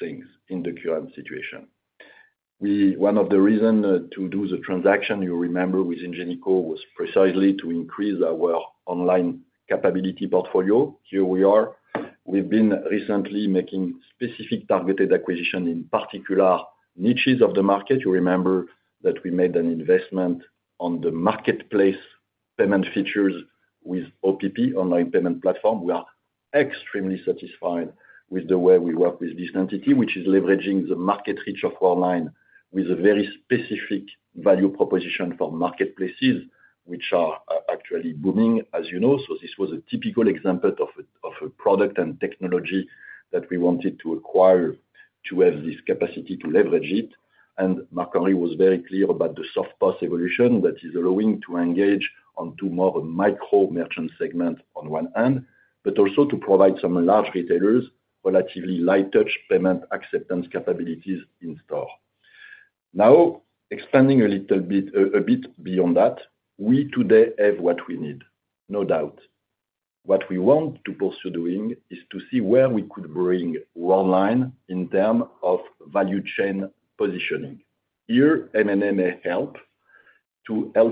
things in the current situation. One of the reasons to do the transaction, you remember, with Ingenico was precisely to increase our online capability portfolio. Here we are. We've been recently making specific targeted acquisitions in particular niches of the market. You remember that we made an investment on the marketplace payment features with OPP, Online Payment Platform. We are extremely satisfied with the way we work with this entity, which is leveraging the market reach of Worldline with a very specific value proposition for marketplaces, which are actually booming, as you know. So this was a typical example of a product and technology that we wanted to acquire to have this capacity to leverage it. And Marc-Henri was very clear about the SoftPOS evolution that is allowing to engage on two more micro-merchant segments on one hand, but also to provide some large retailers relatively light-touch payment acceptance capabilities in store. Now, expanding a little bit beyond that, we today have what we need, no doubt. What we want to pursue doing is to see where we could bring Worldline in terms of value chain positioning. Here, M&A may help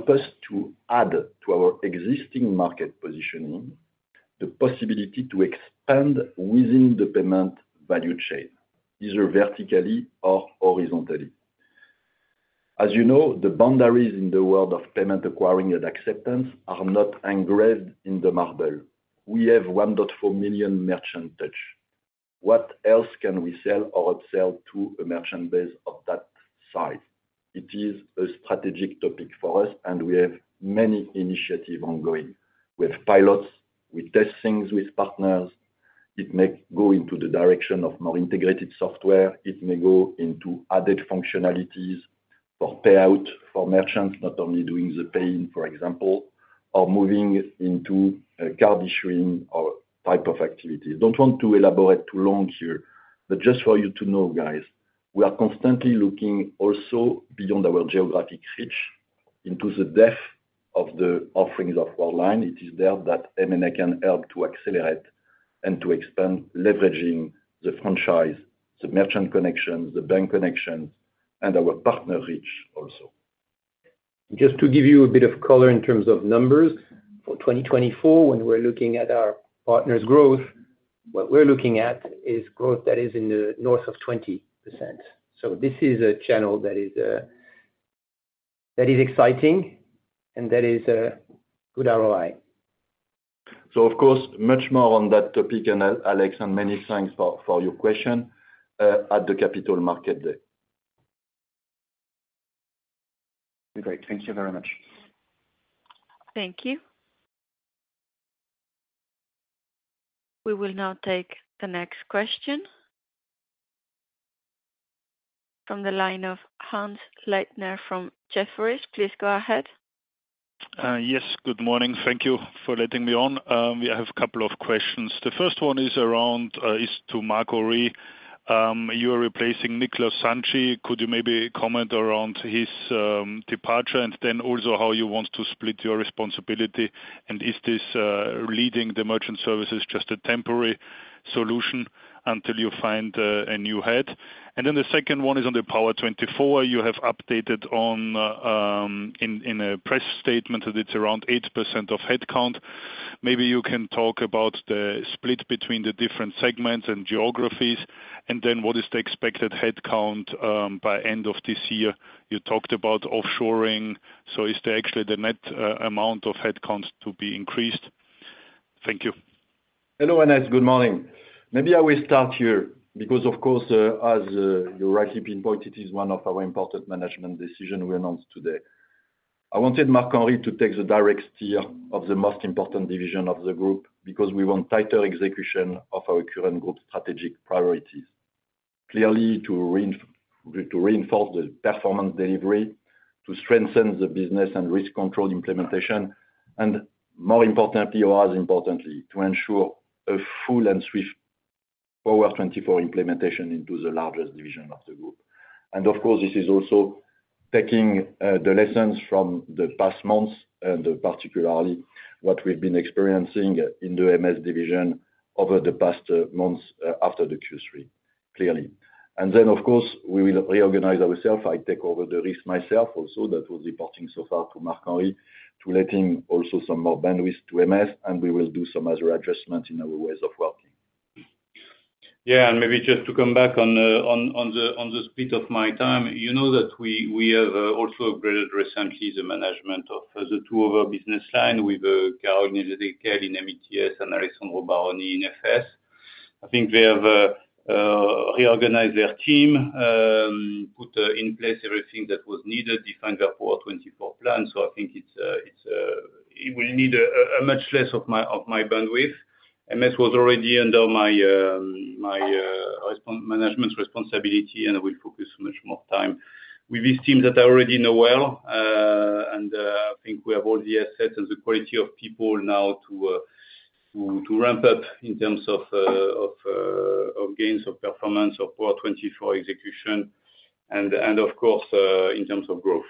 us to add to our existing market positioning the possibility to expand within the payment value chain, either vertically or horizontally. As you know, the boundaries in the world of payment acquiring and acceptance are not engraved in the marble. We have 1.4 million merchants touch. What else can we sell or upsell to a merchant base of that size? It is a strategic topic for us, and we have many initiatives ongoing. We have pilots. We test things with partners. It may go into the direction of more integrated software. It may go into added functionalities for payout for merchants, not only doing the pay-in, for example, or moving into card issuing type of activities. I don't want to elaborate too long here, but just for you to know, guys, we are constantly looking also beyond our geographic reach into the depth of the offerings of Worldline. It is there that M&A can help to accelerate and to expand, leveraging the franchise, the merchant connections, the bank connections, and our partner reach also. Just to give you a bit of color in terms of numbers, for 2024, when we're looking at our partner's growth, what we're looking at is growth that is in the north of 20%. So this is a channel that is exciting, and that is a good ROI. Of course, much more on that topic, Alex, and many thanks for your question at the Capital Markets Day. Great. Thank you very much. Thank you. We will now take the next question from the line of Hannes Leitner from Jefferies. Please go ahead. Yes. Good morning. Thank you for letting me on. We have a couple of questions. The first one is to Marc-Henri. You are replacing Niklaus Santschi. Could you maybe comment around his departure and then also how you want to split your responsibility? And is this leading the Merchant Services just a temporary solution until you find a new head? And then the second one is on the Power 24. You have updated in a press statement that it's around 8% of headcount. Maybe you can talk about the split between the different segments and geographies, and then what is the expected headcount by end of this year? You talked about offshoring. So is there actually the net amount of headcount to be increased? Thank you. Hello, Hannes. Good morning. Maybe I will start here because, of course, as you rightly pinpoint, it is one of our important management decisions we announced today. I wanted Marc-Henri to take the direct steer of the most important division of the group because we want tighter execution of our current group strategic priorities, clearly to reinforce the performance delivery, to strengthen the business and risk control implementation, and more importantly, or as importantly, to ensure a full and swift Power24 implementation into the largest division of the group. Of course, this is also taking the lessons from the past months and particularly what we've been experiencing in the MS division over the past months after the Q3, clearly. Then, of course, we will reorganize ourselves. I take over the risk myself also. That was reporting so far to Marc-Henri, to letting also some more bandwidth to MS, and we will do some other adjustments in our ways of working. Yeah. And maybe just to come back on the split of my time, you know that we have also upgraded recently the management of the two of our business lines with Caroline Jéséquel in MeTS and Alessandro Baroni in FS. I think they have reorganized their team, put in place everything that was needed, defined their Power 24 plan. So I think it will need much less of my bandwidth. MS was already under my management responsibility, and I will focus much more time with these teams that I already know well. And I think we have all the assets and the quality of people now to ramp up in terms of gains of performance of Power 24 execution and, of course, in terms of growth.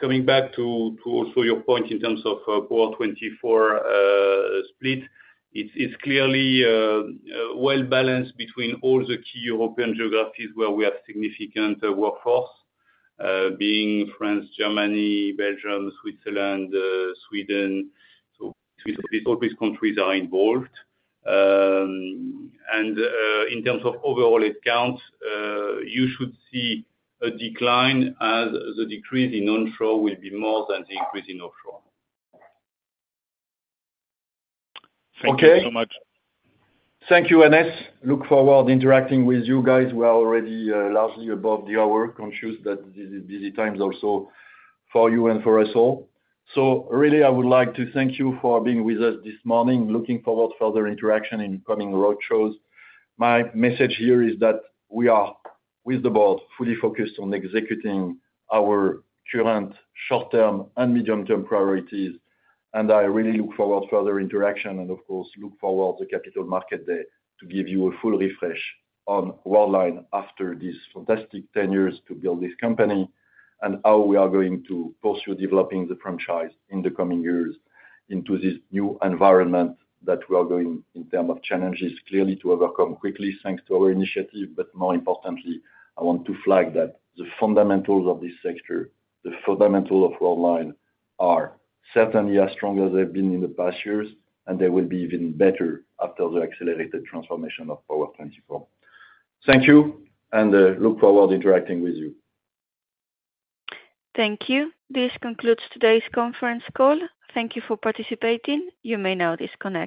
Coming back to also your point in terms of Power24 split, it's clearly well balanced between all the key European geographies where we have significant workforce, being France, Germany, Belgium, Switzerland, Sweden. So all these countries are involved. In terms of overall headcount, you should see a decline as the decrease in onshore will be more than the increase in offshore. Thank you so much. Thank you, Hannes. Look forward interacting with you guys. We are already largely above the hour. Conscious that this is busy times also for you and for us all. So really, I would like to thank you for being with us this morning. Looking forward further interaction in coming road shows. My message here is that we are with the board fully focused on executing our current short-term and medium-term priorities. And I really look forward further interaction and, of course, look forward to Capital Markets Day to give you a full refresh on Worldline after these fantastic 10 years to build this company and how we are going to pursue developing the franchise in the coming years into this new environment that we are going in terms of challenges, clearly to overcome quickly thanks to our initiative. But more importantly, I want to flag that the fundamentals of this sector, the fundamentals of Worldline, are certainly as strong as they've been in the past years, and they will be even better after the accelerated transformation of Power24. Thank you, and look forward interacting with you. Thank you. This concludes today's conference call. Thank you for participating. You may now disconnect.